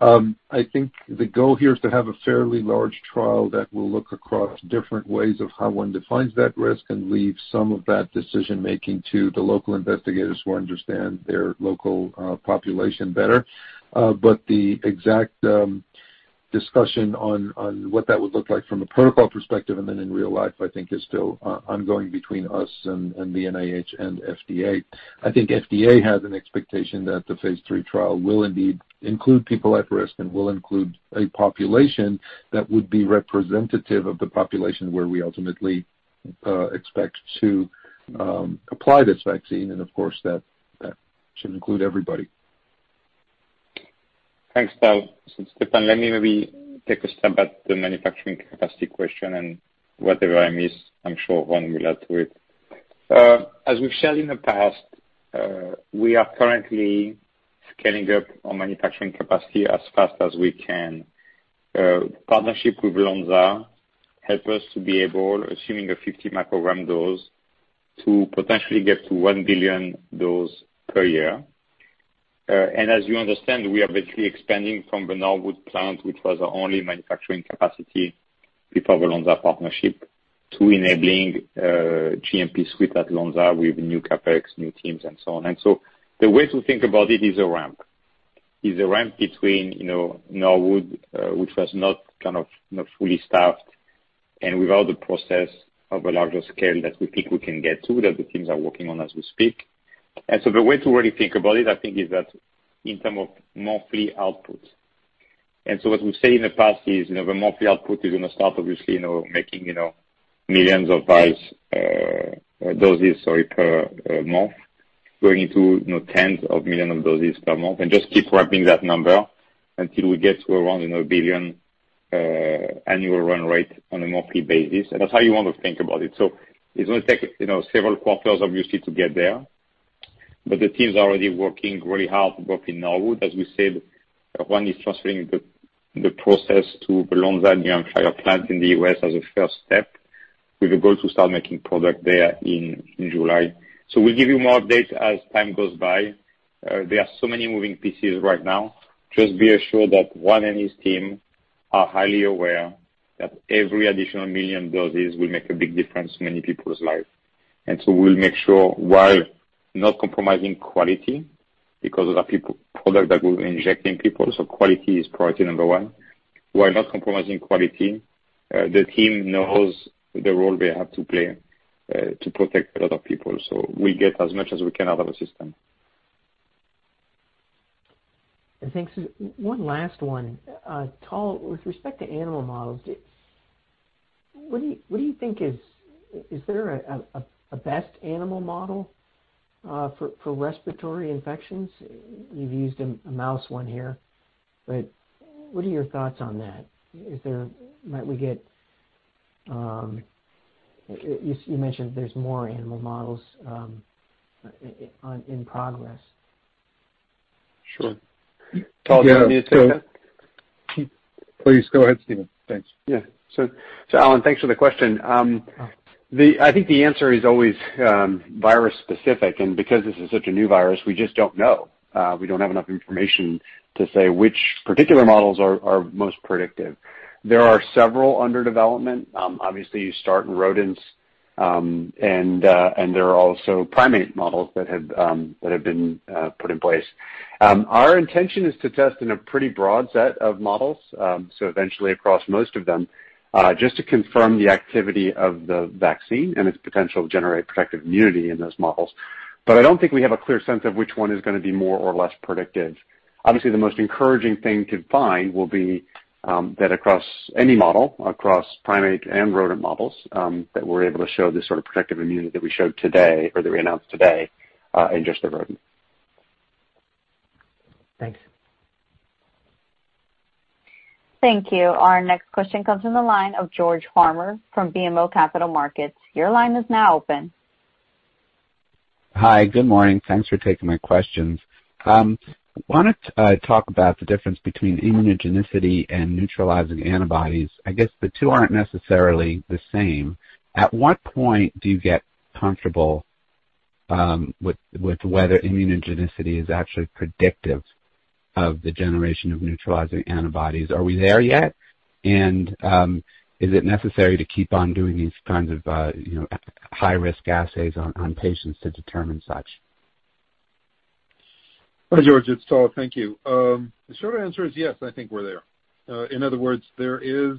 I think the goal here is to have a fairly large trial that will look across different ways of how one defines that risk and leave some of that decision-making to the local investigators who understand their local population better. The exact discussion on what that would look like from a protocol perspective and then in real life, I think is still ongoing between us and the NIH and FDA. I think FDA has an expectation that the phase III trial will indeed include people at risk and will include a population that would be representative of the population where we ultimately expect to apply this vaccine, and of course, that should include everybody. Thanks, Tal. This is Stéphane. Let me maybe take a stab at the manufacturing capacity question and whatever I miss, I'm sure Juan will add to it. As we've shared in the past, we are currently scaling up our manufacturing capacity as fast as we can. Partnership with Lonza help us to be able, assuming a 50 microgram dose, to potentially get to 1 billion dose per year. As you understand, we are basically expanding from the Norwood plant, which was our only manufacturing capacity before the Lonza partnership to enabling GMP suite at Lonza with new CapEx, new teams, and so on. The way to think about it is a ramp. It is a ramp between Norwood, which was not fully staffed and without the process of a larger scale that we think we can get to, that the teams are working on as we speak. The way to really think about it, I think, is that in terms of monthly output. What we've said in the past is, the monthly output is going to start obviously, making millions of doses, sorry, per month, going into tens of millions of doses per month. Just keep ramping that number until we get to around a 1 billion annual run rate on a monthly basis. That's how you want to think about it. It's going to take several quarters, obviously, to get there, but the teams are already working really hard, working Norwood. As we said, one is transferring the process to the Lonza New Hampshire plant in the U.S. as a first step, with a goal to start making product there in July. We'll give you more updates as time goes by. There are so many moving pieces right now. Just be assured that Juan and his team are highly aware that every additional million doses will make a big difference in many people's lives. We'll make sure while not compromising quality, because it's a product that we're injecting people, quality is priority number one. We're not compromising quality. The team knows the role they have to play to protect a lot of people. We get as much as we can out of the system. Thanks. One last one. Tal, with respect to animal models, what do you think, is there a best animal model for respiratory infections? You've used a mouse one here, but what are your thoughts on that? You mentioned there's more animal models in progress. Sure. Tal, do you want me to take that? Please go ahead, Stephen. Thanks. Yeah. Alan, thanks for the question. I think the answer is always virus specific, and because this is such a new virus, we just don't know. We don't have enough information to say which particular models are most predictive. There are several under development. Obviously, you start in rodents, and there are also primate models that have been put in place. Our intention is to test in a pretty broad set of models, so eventually across most of them, just to confirm the activity of the vaccine and its potential to generate protective immunity in those models. I don't think we have a clear sense of which one is going to be more or less predictive. Obviously, the most encouraging thing to find will be that across any model, across primate and rodent models, that we're able to show this sort of protective immunity that we showed today, or that we announced today, in just the rodent. Thanks. Thank you. Our next question comes from the line of George Farmer from BMO Capital Markets. Your line is now open. Hi. Good morning. Thanks for taking my questions. I wanted to talk about the difference between immunogenicity and neutralizing antibodies. I guess the two aren't necessarily the same. At what point do you get comfortable with whether immunogenicity is actually predictive of the generation of neutralizing antibodies? Are we there yet? Is it necessary to keep on doing these kinds of high-risk assays on patients to determine such? Hi, George. It's Tal. Thank you. The short answer is yes, I think we're there. In other words, there is,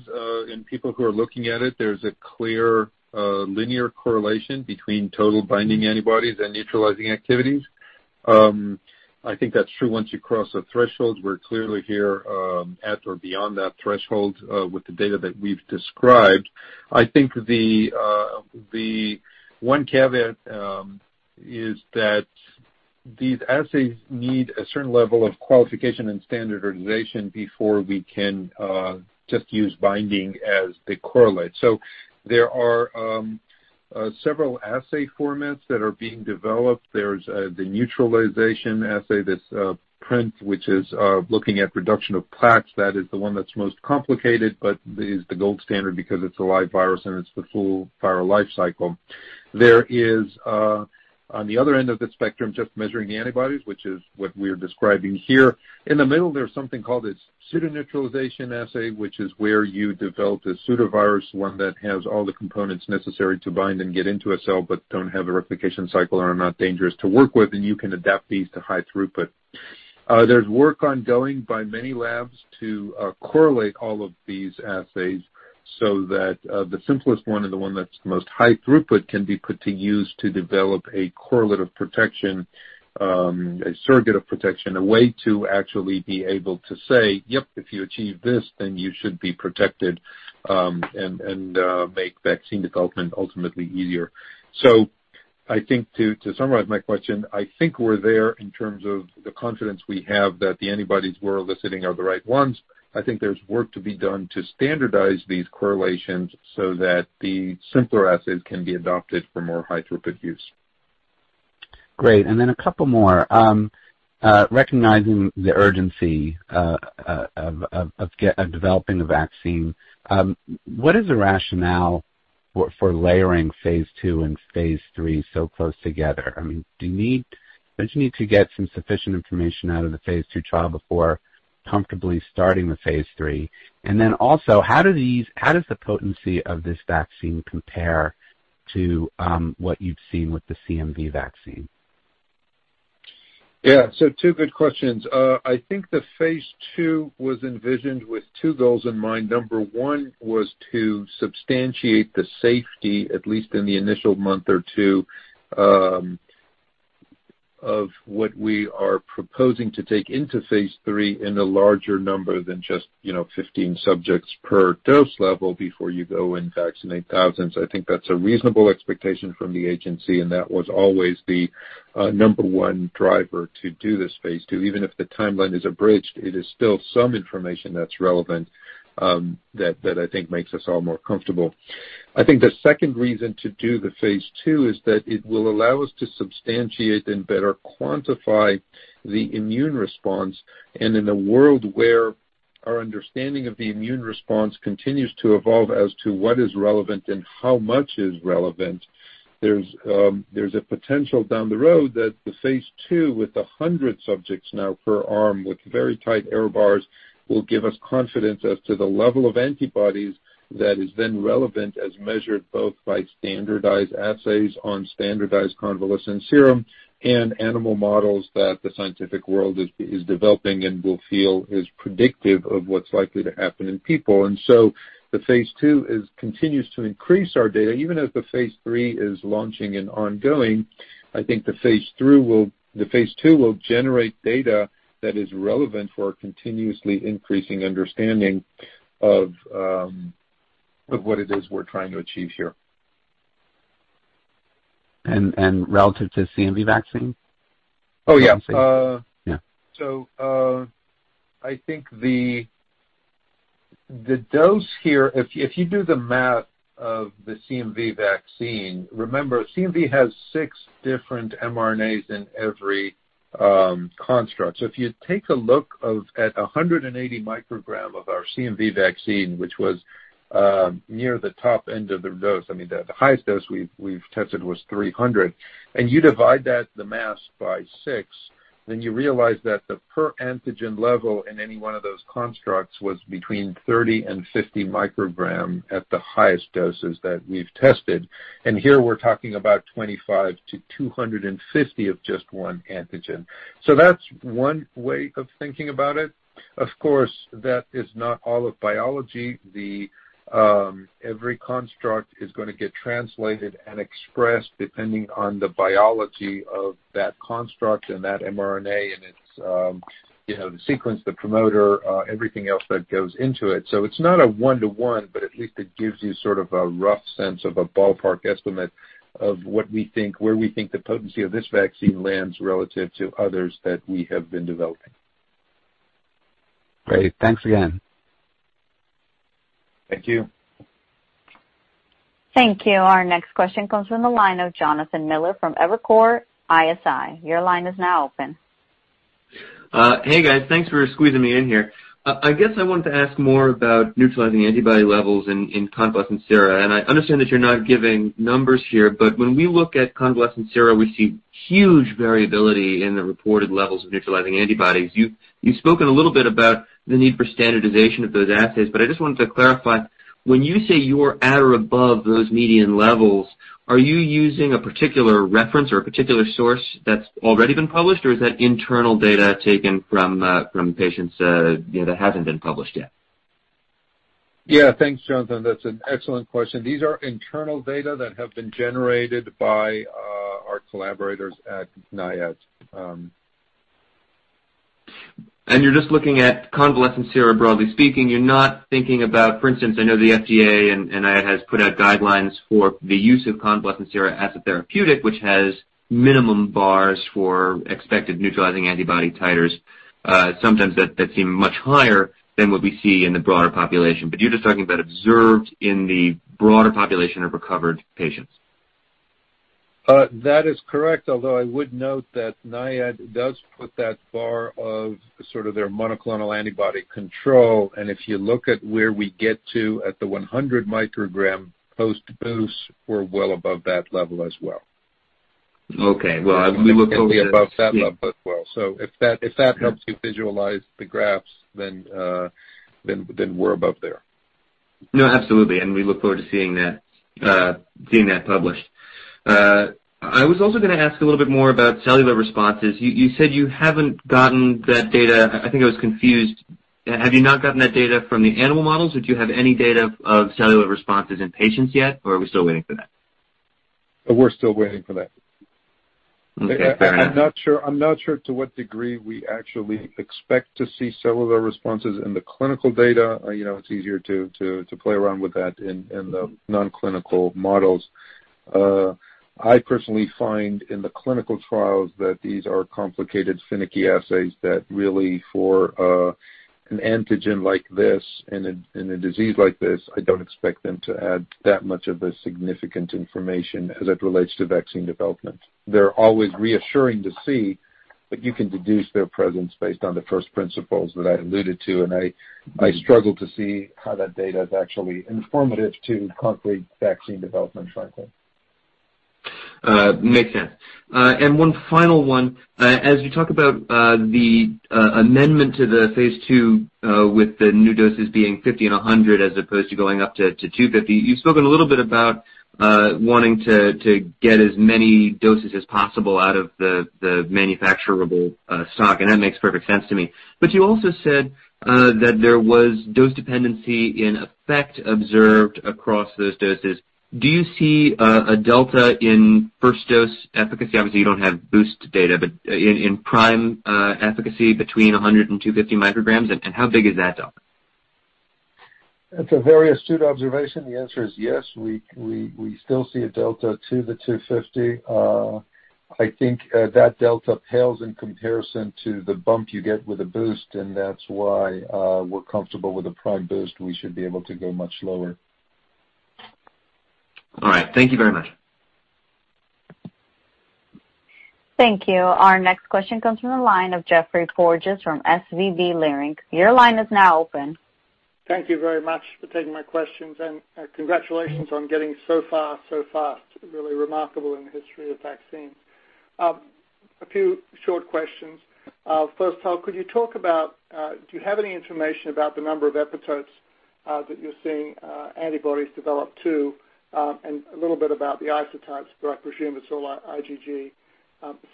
in people who are looking at it, there's a clear linear correlation between total binding antibodies and neutralizing activities. I think that's true once you cross a threshold. We're clearly here at or beyond that threshold with the data that we've described. I think the one caveat is that these assays need a certain level of qualification and standardization before we can just use binding as they correlate. There are several assay formats that are being developed. There's the neutralization assay, this PRNT, which is looking at reduction of plaques. That is the one that's most complicated, but is the gold standard because it's a live virus and it's the full viral life cycle. There is, on the other end of the spectrum, just measuring the antibodies, which is what we're describing here. In the middle, there's something called a pseudoneutralization assay, which is where you develop this pseudovirus, one that has all the components necessary to bind and get into a cell, but don't have the replication cycle and are not dangerous to work with, and you can adapt these to high throughput. There's work ongoing by many labs to correlate all of these assays so that the simplest one and the one that's the most high throughput can be put to use to develop a correlate of protection, a surrogate of protection, a way to actually be able to say, "Yep, if you achieve this, then you should be protected," and make vaccine development ultimately easier. I think to summarize my question, I think we're there in terms of the confidence we have that the antibodies we're eliciting are the right ones. I think there's work to be done to standardize these correlations so that the simpler assays can be adopted for more high-throughput use. Great, a couple more. Recognizing the urgency of developing a vaccine, what is the rationale for layering phase II and phase III so close together? I mean, don't you need to get some sufficient information out of the phase II trial before comfortably starting the phase III? How does the potency of this vaccine compare to what you've seen with the mRNA-1647 vaccine? Yeah. Two good questions. I think the phase II was envisioned with two goals in mind. Number one was to substantiate the safety, at least in the initial month or two, of what we are proposing to take into phase III in a larger number than just 15 subjects per dose level before you go and vaccinate thousands. I think that's a reasonable expectation from the agency. That was always the number one driver to do this phase II. Even if the timeline is abridged, it is still some information that's relevant that I think makes us all more comfortable. I think the second reason to do the phase II is that it will allow us to substantiate and better quantify the immune response. In a world where our understanding of the immune response continues to evolve as to what is relevant and how much is relevant, there's a potential down the road that the phase II with 100 subjects now per arm with very tight error bars will give us confidence as to the level of antibodies that is then relevant as measured both by standardized assays on standardized convalescent serum and animal models that the scientific world is developing, and we'll feel is predictive of what's likely to happen in people. So the phase II continues to increase our data. Even as the phase III is launching and ongoing, I think the phase II will generate data that is relevant for our continuously increasing understanding of what it is we're trying to achieve here. Relative to mRNA-1647 vaccine? Oh, yeah. Yeah. I think the dose here, if you do the math of the mRNA-1647 vaccine, remember, mRNA-1647 has six different mRNAs in every construct. If you take a look at 180 microgram of our mRNA-1647 vaccine, which was near the top end of the dose, the highest dose we've tested was 300, and you divide the mass by six, then you realize that the per antigen level in any one of those constructs was between 30 and 50 microgram at the highest doses that we've tested. Here we're talking about 25 to 250 of just one antigen. That's one way of thinking about it. Of course, that is not all of biology. Every construct is going to get translated and expressed depending on the biology of that construct and that mRNA and its sequence, the promoter, everything else that goes into it. It's not a one-to-one, but at least it gives you sort of a rough sense of a ballpark estimate of where we think the potency of this vaccine lands relative to others that we have been developing. Great. Thanks again. Thank you. Thank you. Our next question comes from the line of Jonathan Miller from Evercore ISI. Your line is now open. Hey, guys. Thanks for squeezing me in here. I guess I wanted to ask more about neutralizing antibody levels in convalescent sera. I understand that you're not giving numbers here, but when we look at convalescent sera, we see huge variability in the reported levels of neutralizing antibodies. You've spoken a little bit about the need for standardization of those assays, but I just wanted to clarify, when you say you're at or above those median levels, are you using a particular reference or a particular source that's already been published, or is that internal data taken from patients that hasn't been published yet? Yeah. Thanks, Jonathan. That's an excellent question. These are internal data that have been generated by our collaborators at NIAID. You're just looking at convalescent sera broadly speaking. You're not thinking about, for instance, I know the FDA and NIAID has put out guidelines for the use of convalescent sera as a therapeutic, which has minimum bars for expected neutralizing antibody titers, sometimes that seem much higher than what we see in the broader population. You're just talking about observed in the broader population of recovered patients. That is correct, although I would note that NIAID does put that bar of sort of their monoclonal antibody control, and if you look at where we get to at the 100 microgram post-boost, we are well above that level as well. Okay. Well, we look forward. We're definitely above that level as well. If that helps you visualize the graphs, then we're above there. No, absolutely. We look forward to seeing that published. I was also going to ask a little bit more about cellular responses. You said you haven't gotten that data. I think I was confused. Have you not gotten that data from the animal models, or do you have any data of cellular responses in patients yet, or are we still waiting for that? We're still waiting for that. Okay, fair enough. I'm not sure to what degree we actually expect to see cellular responses in the clinical data. It's easier to play around with that in the non-clinical models. I personally find in the clinical trials that these are complicated, finicky assays that really for an antigen like this in a disease like this, I don't expect them to add that much of a significant information as it relates to vaccine development. They're always reassuring to see, but you can deduce their presence based on the first principles that I alluded to, and I struggle to see how that data is actually informative to concrete vaccine development, frankly. Makes sense. One final one. As you talk about the amendment to the phase II with the new doses being 50 and 100, as opposed to going up to 250, you've spoken a little bit about wanting to get as many doses as possible out of the manufacturable stock, and that makes perfect sense to me. You also said that there was dose dependency in effect observed across those doses. Do you see a delta in first dose efficacy? Obviously, you don't have boost data, but in prime efficacy between 100 and 250 micrograms, and how big is that delta? That's a very astute observation. The answer is yes, we still see a delta to the 250. I think that delta pales in comparison to the bump you get with a boost, and that's why we're comfortable with the prime boost, we should be able to go much lower. All right. Thank you very much. Thank you. Our next question comes from the line of Geoffrey Porges from SVB Leerink. Your line is now open. Thank you very much for taking my questions, and congratulations on getting so far, so fast, really remarkable in the history of vaccines. A few short questions. First, Tal, could you talk about, do you have any information about the number of epitopes that you're seeing antibodies develop to? A little bit about the isotypes, but I presume it's all IgG.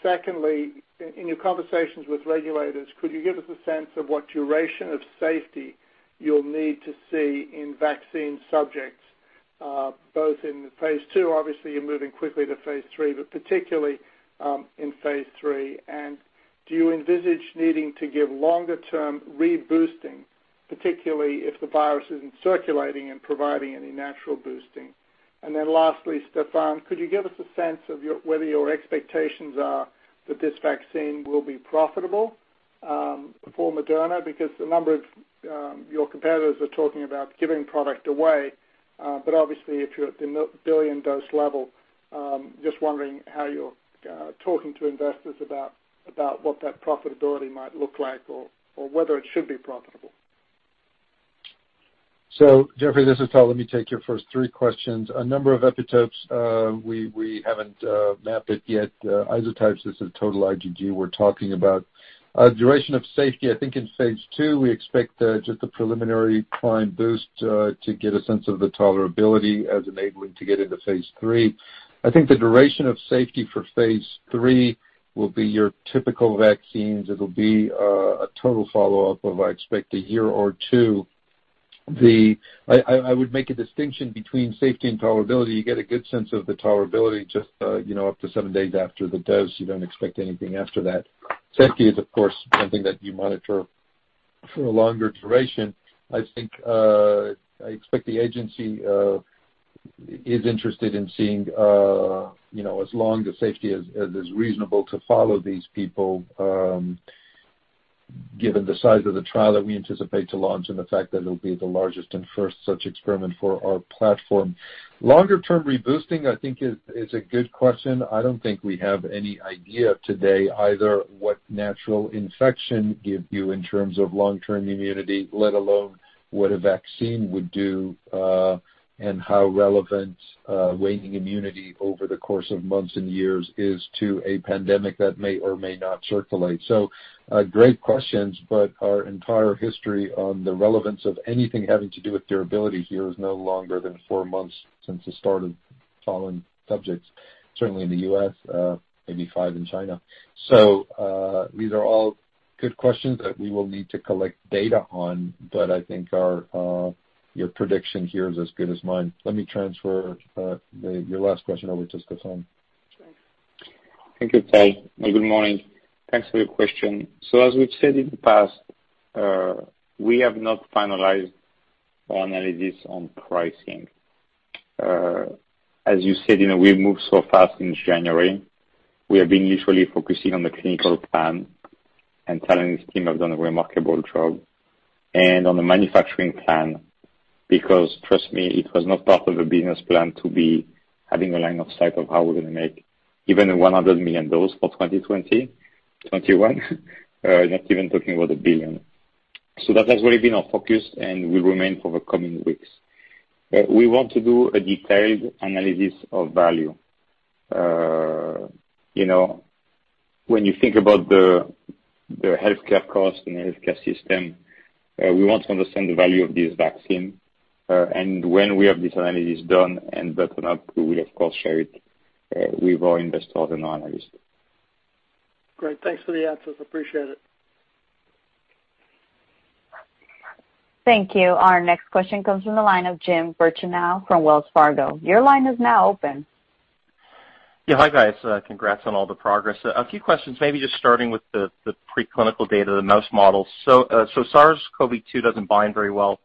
Secondly, in your conversations with regulators, could you give us a sense of what duration of safety you'll need to see in vaccine subjects, both in the phase II, obviously you're moving quickly to phase III, but particularly, in phase III. Do you envisage needing to give longer term reboosting, particularly if the virus isn't circulating and providing any natural boosting? Lastly, Stéphane, could you give us a sense of whether your expectations are that this vaccine will be profitable for Moderna, because a number of your competitors are talking about giving product away. Obviously if you're at the billion-dose level, just wondering how you're talking to investors about what that profitability might look like or whether it should be profitable. Geoffrey, this is Tal, let me take your first three questions. A number of epitopes, we haven't mapped it yet. Isotypes, this is total IgG we're talking about. Duration of safety, I think in phase II, we expect just a preliminary prime boost to get a sense of the tolerability as enabling to get into phase III. I think the duration of safety for phase III will be your typical vaccines. It'll be a total follow-up of, I expect, a year or two. I would make a distinction between safety and tolerability. You get a good sense of the tolerability just up to seven days after the dose. You don't expect anything after that. Safety is, of course, something that you monitor for a longer duration. I expect the agency is interested in seeing as long the safety as is reasonable to follow these people, given the size of the trial that we anticipate to launch and the fact that it'll be the largest and first such experiment for our platform. Longer term reboosting, I think is a good question. I don't think we have any idea today either what natural infection give you in terms of long-term immunity, let alone what a vaccine would do, and how relevant waning immunity over the course of months and years is to a pandemic that may or may not circulate. Great questions, but our entire history on the relevance of anything having to do with durability here is no longer than four months since the start of following subjects, certainly in the U.S., maybe five in China. These are all good questions that we will need to collect data on, but I think your prediction here is as good as mine. Let me transfer your last question over to Stéphane. Sure. Thank you, Tal, and good morning. Thanks for the question. As we've said in the past, we have not finalized our analysis on pricing. As you said, we've moved so fast since January. We have been literally focusing on the clinical plan, and Tal and his team have done a remarkable job. On the manufacturing plan, because trust me, it was not part of the business plan to be having a line of sight of how we're going to make even 100 million doses for 2021 not even talking about 1 billion. That has really been our focus and will remain for the coming weeks. We want to do a detailed analysis of value. When you think about the healthcare cost and the healthcare system, we want to understand the value of this vaccine. When we have these analyses done and buttoned up, we will, of course, share it with our investors and our analysts. Great. Thanks for the answers. Appreciate it. Thank you. Our next question comes from the line of Jim Birchenough from Wells Fargo. Your line is now open. Yeah. Hi, guys. Congrats on all the progress. A few questions, maybe just starting with the pre-clinical data, the mouse models. SARS-CoV-2 doesn't bind very well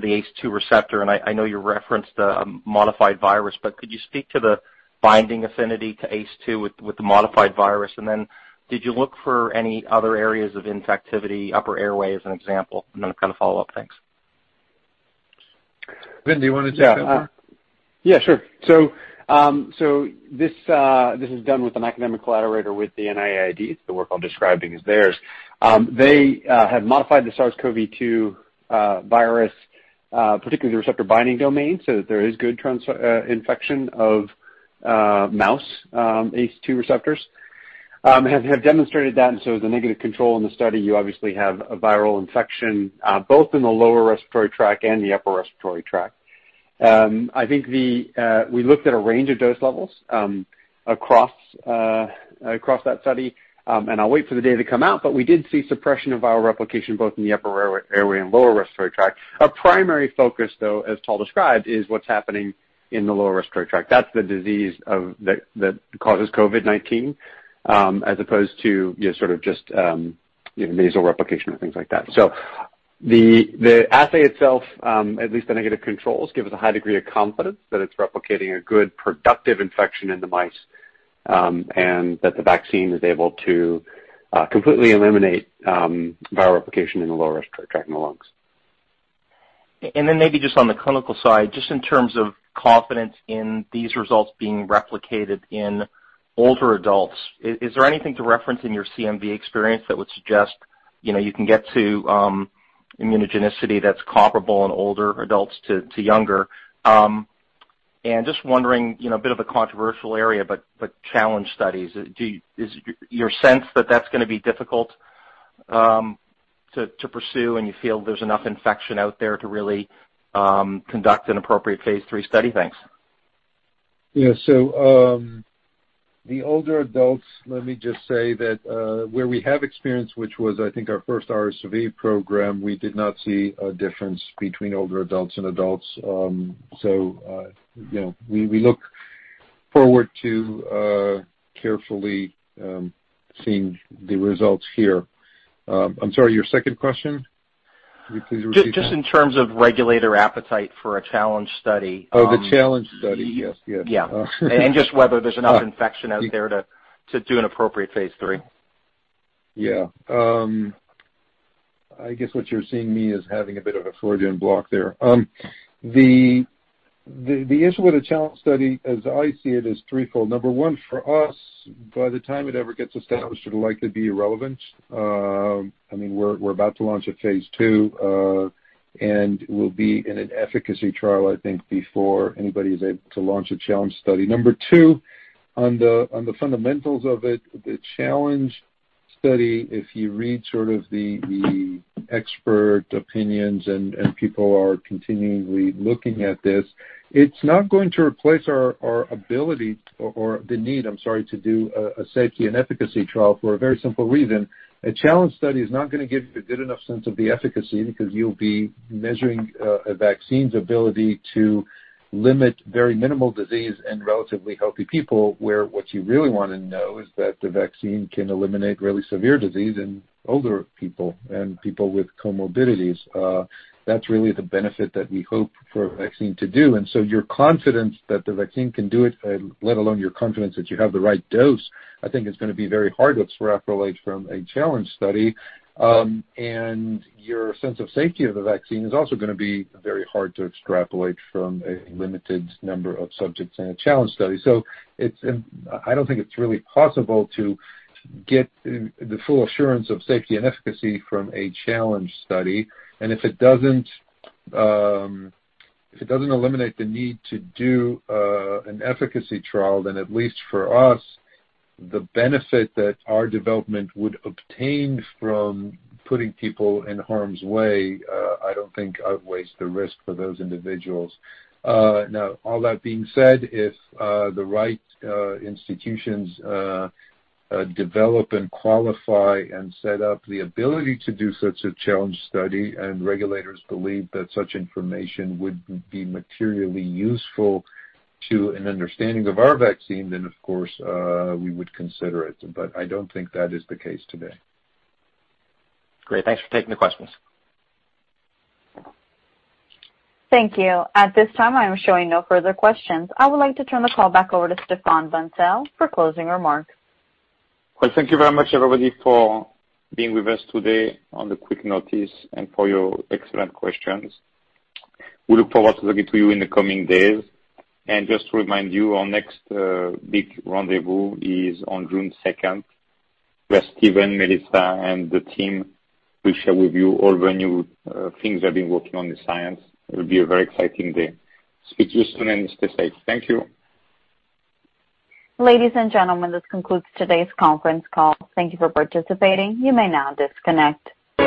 to the ACE2 receptor, and I know you referenced a modified virus, but could you speak to the binding affinity to ACE2 with the modified virus? Did you look for any other areas of infectivity, upper airway as an example? A kind of follow-up. Thanks. Ben, do you want to take that one? This is done with an academic collaborator with the NIAID. The work I'm describing is theirs. They have modified the SARS-CoV-2 virus, particularly the receptor-binding domain, so that there is good infection of mouse ACE2 receptors. Have demonstrated that, the negative control in the study, you obviously have a viral infection both in the lower respiratory tract and the upper respiratory tract. We looked at a range of dose levels across that study. I'll wait for the data to come out, but we did see suppression of viral replication both in the upper airway and lower respiratory tract. Our primary focus, though, as Tal described, is what's happening in the lower respiratory tract. That's the disease that causes COVID-19 as opposed to just nasal replication or things like that. The assay itself, at least the negative controls, give us a high degree of confidence that it's replicating a good, productive infection in the mice, and that the vaccine is able to completely eliminate viral replication in the lower respiratory tract in the lungs. Maybe just on the clinical side, just in terms of confidence in these results being replicated in older adults, is there anything to reference in your mRNA-1647 experience that would suggest you can get to immunogenicity that's comparable in older adults to younger? Just wondering, a bit of a controversial area, but challenge studies, is your sense that that's going to be difficult to pursue, and you feel there's enough infection out there to really conduct an appropriate phase III study? Thanks. Yeah. The older adults, let me just say that where we have experience, which was, I think, our first RSV program, we did not see a difference between older adults and adults. We look forward to carefully seeing the results here. I'm sorry, your second question? Would you please repeat that? Just in terms of regulator appetite for a challenge study. Oh, the challenge study. Yes. Yeah. Just whether there's enough infection out there to do an appropriate phase III. Yeah. I guess what you're seeing me as having a bit of a Freudian block there. The issue with a challenge study, as I see it, is threefold. Number one, for us, by the time it ever gets established, it'll likely be irrelevant. We're about to launch a Phase II, and we'll be in an efficacy trial, I think, before anybody is able to launch a challenge study. Number two, on the fundamentals of it, the challenge study, if you read sort of the expert opinions, and people are continuingly looking at this, it's not going to replace our ability or the need, I'm sorry, to do a safety and efficacy trial for a very simple reason. A challenge study is not going to give you a good enough sense of the efficacy because you'll be measuring a vaccine's ability to limit very minimal disease in relatively healthy people, where what you really want to know is that the vaccine can eliminate really severe disease in older people and people with comorbidities. That's really the benefit that we hope for a vaccine to do. Your confidence that the vaccine can do it, let alone your confidence that you have the right dose, I think is going to be very hard to extrapolate from a challenge study. Your sense of safety of the vaccine is also going to be very hard to extrapolate from a limited number of subjects in a challenge study. I don't think it's really possible to get the full assurance of safety and efficacy from a challenge study. If it doesn't eliminate the need to do an efficacy trial, then at least for us, the benefit that our development would obtain from putting people in harm's way, I don't think outweighs the risk for those individuals. Now, all that being said, if the right institutions develop and qualify and set up the ability to do such a challenge study, and regulators believe that such information would be materially useful to an understanding of our vaccine, then of course, we would consider it. I don't think that is the case today. Great. Thanks for taking the questions. Thank you. At this time, I am showing no further questions. I would like to turn the call back over to Stéphane Bancel for closing remarks. Well, thank you very much, everybody, for being with us today on the quick notice and for your excellent questions. We look forward to talking to you in the coming days. Just to remind you, our next big rendezvous is on June 2nd, where Stephen, Melissa, and the team will share with you all the new things they've been working on in science. It will be a very exciting day. Speak to you soon, and stay safe. Thank you. Ladies and gentlemen, this concludes today's conference call. Thank you for participating. You may now disconnect.